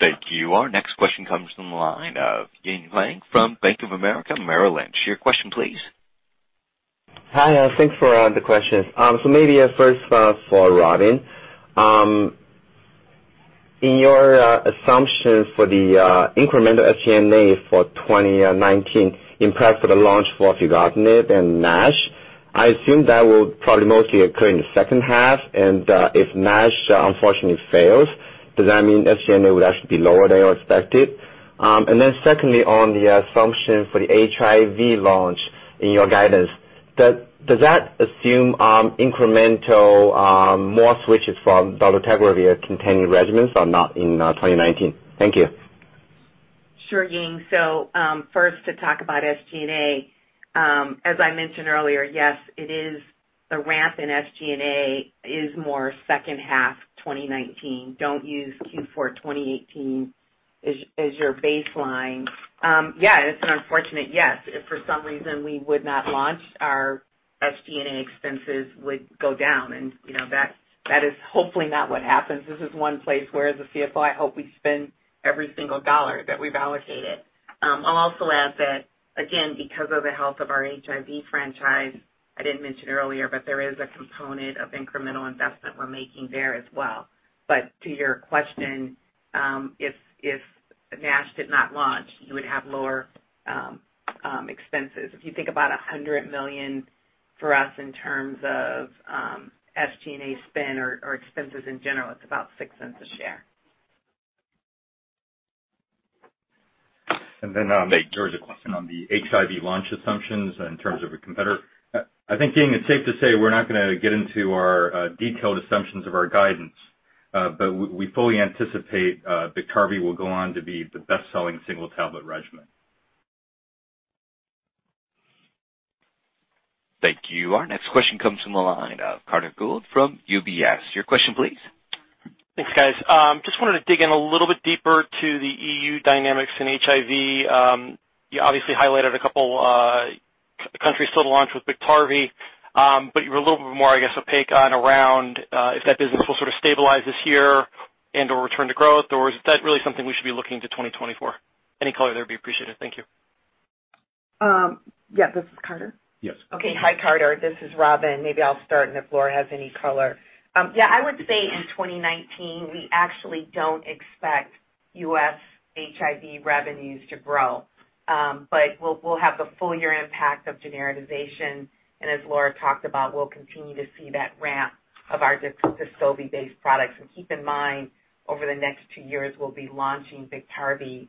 Thank you. Our next question comes from the line of Ying Huang from Bank of America Merrill Lynch. Your question please. Hi, thanks for the questions. Maybe first for Robin. In your assumption for the incremental SG&A for 2019, in prep for the launch for filgotinib in NASH, I assume that will probably mostly occur in the second half. If NASH unfortunately fails, does that mean SG&A would actually be lower than you expected? Secondly, on the assumption for the HIV launch in your guidance, does that assume incremental more switches from dolutegravir-containing regimens or not in 2019? Thank you. Sure, Ying. First to talk about SG&A. As I mentioned earlier, yes, the ramp in SG&A is more second half 2019. Don't use Q4 2018 as your baseline. It's an unfortunate yes. If for some reason we would not launch, our SG&A expenses would go down and that is hopefully not what happens. This is one place where, as a CFO, I hope we spend every single dollar that we've allocated. I'll also add that, again, because of the health of our HIV franchise, I didn't mention earlier, there is a component of incremental investment we're making there as well. To your question, if NASH did not launch, you would have lower expenses. If you think about $100 million for us in terms of SG&A spend or expenses in general, it's about $0.06 a share. There was a question on the HIV launch assumptions in terms of a competitor. I think, Ying, it's safe to say we're not going to get into our detailed assumptions of our guidance, but we fully anticipate Biktarvy will go on to be the best-selling single-tablet regimen. Thank you. Our next question comes from the line of Carter Gould from UBS. Your question please. Thanks, guys. Just wanted to dig in a little bit deeper to the EU dynamics in HIV. You obviously highlighted a couple countries still to launch with Biktarvy, you were a little bit more, I guess, opaque on around if that business will sort of stabilize this year and/or return to growth, or is that really something we should be looking to 2024? Any color there would be appreciated. Thank you. Yeah, this is Carter? Yes. Okay. Hi, Carter. This is Robin. Maybe I'll start, and if Laura has any color. Yeah, I would say in 2019, we actually don't expect U.S. HIV revenues to grow. We'll have the full year impact of genericization, and as Laura talked about, we'll continue to see that ramp of our Descovy-based products. Keep in mind, over the next two years, we'll be launching Biktarvy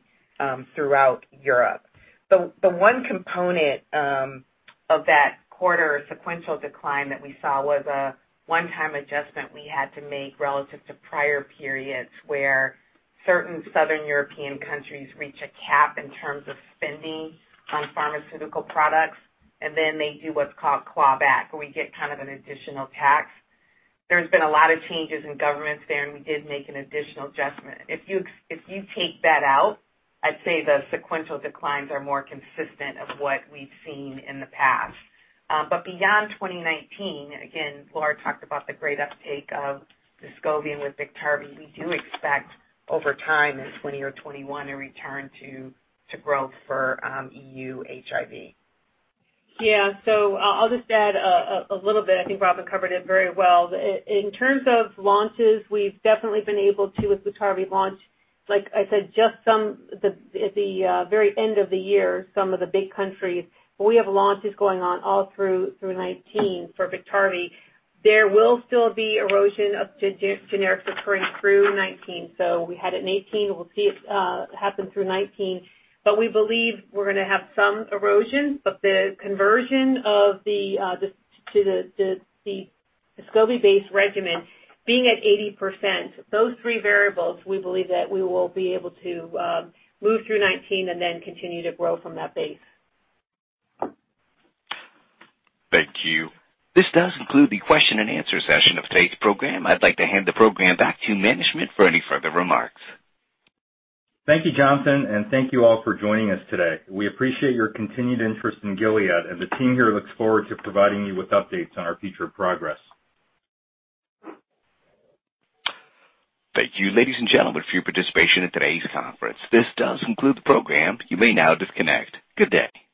throughout Europe. The one component of that quarter sequential decline that we saw was a one-time adjustment we had to make relative to prior periods where certain southern European countries reach a cap in terms of spending on pharmaceutical products, and then they do what's called clawback, where we get kind of an additional tax. There's been a lot of changes in governments there, and we did make an additional adjustment. If you take that out, I'd say the sequential declines are more consistent of what we've seen in the past. Beyond 2019, again, Laura talked about the great uptake of Descovy and with Biktarvy, we do expect over time in 2020 or 2021, a return to growth for EU HIV. Yeah. I'll just add a little bit. I think Robin covered it very well. In terms of launches, we've definitely been able to, with Biktarvy launch, like I said, just some at the very end of the year, some of the big countries. We have launches going on all through 2019 for Biktarvy. There will still be erosion of generics occurring through 2019. We had it in 2018, we'll see it happen through 2019. We believe we're going to have some erosion, but the conversion to the Descovy-based regimen being at 80%, those three variables, we believe that we will be able to move through 2019 and then continue to grow from that base. Thank you. This does conclude the question-and-answer session of today's program. I'd like to hand the program back to management for any further remarks. Thank you, Jonathan, and thank you all for joining us today. We appreciate your continued interest in Gilead, and the team here looks forward to providing you with updates on our future progress. Thank you, ladies and gentlemen, for your participation in today's conference. This does conclude the program. You may now disconnect. Good day.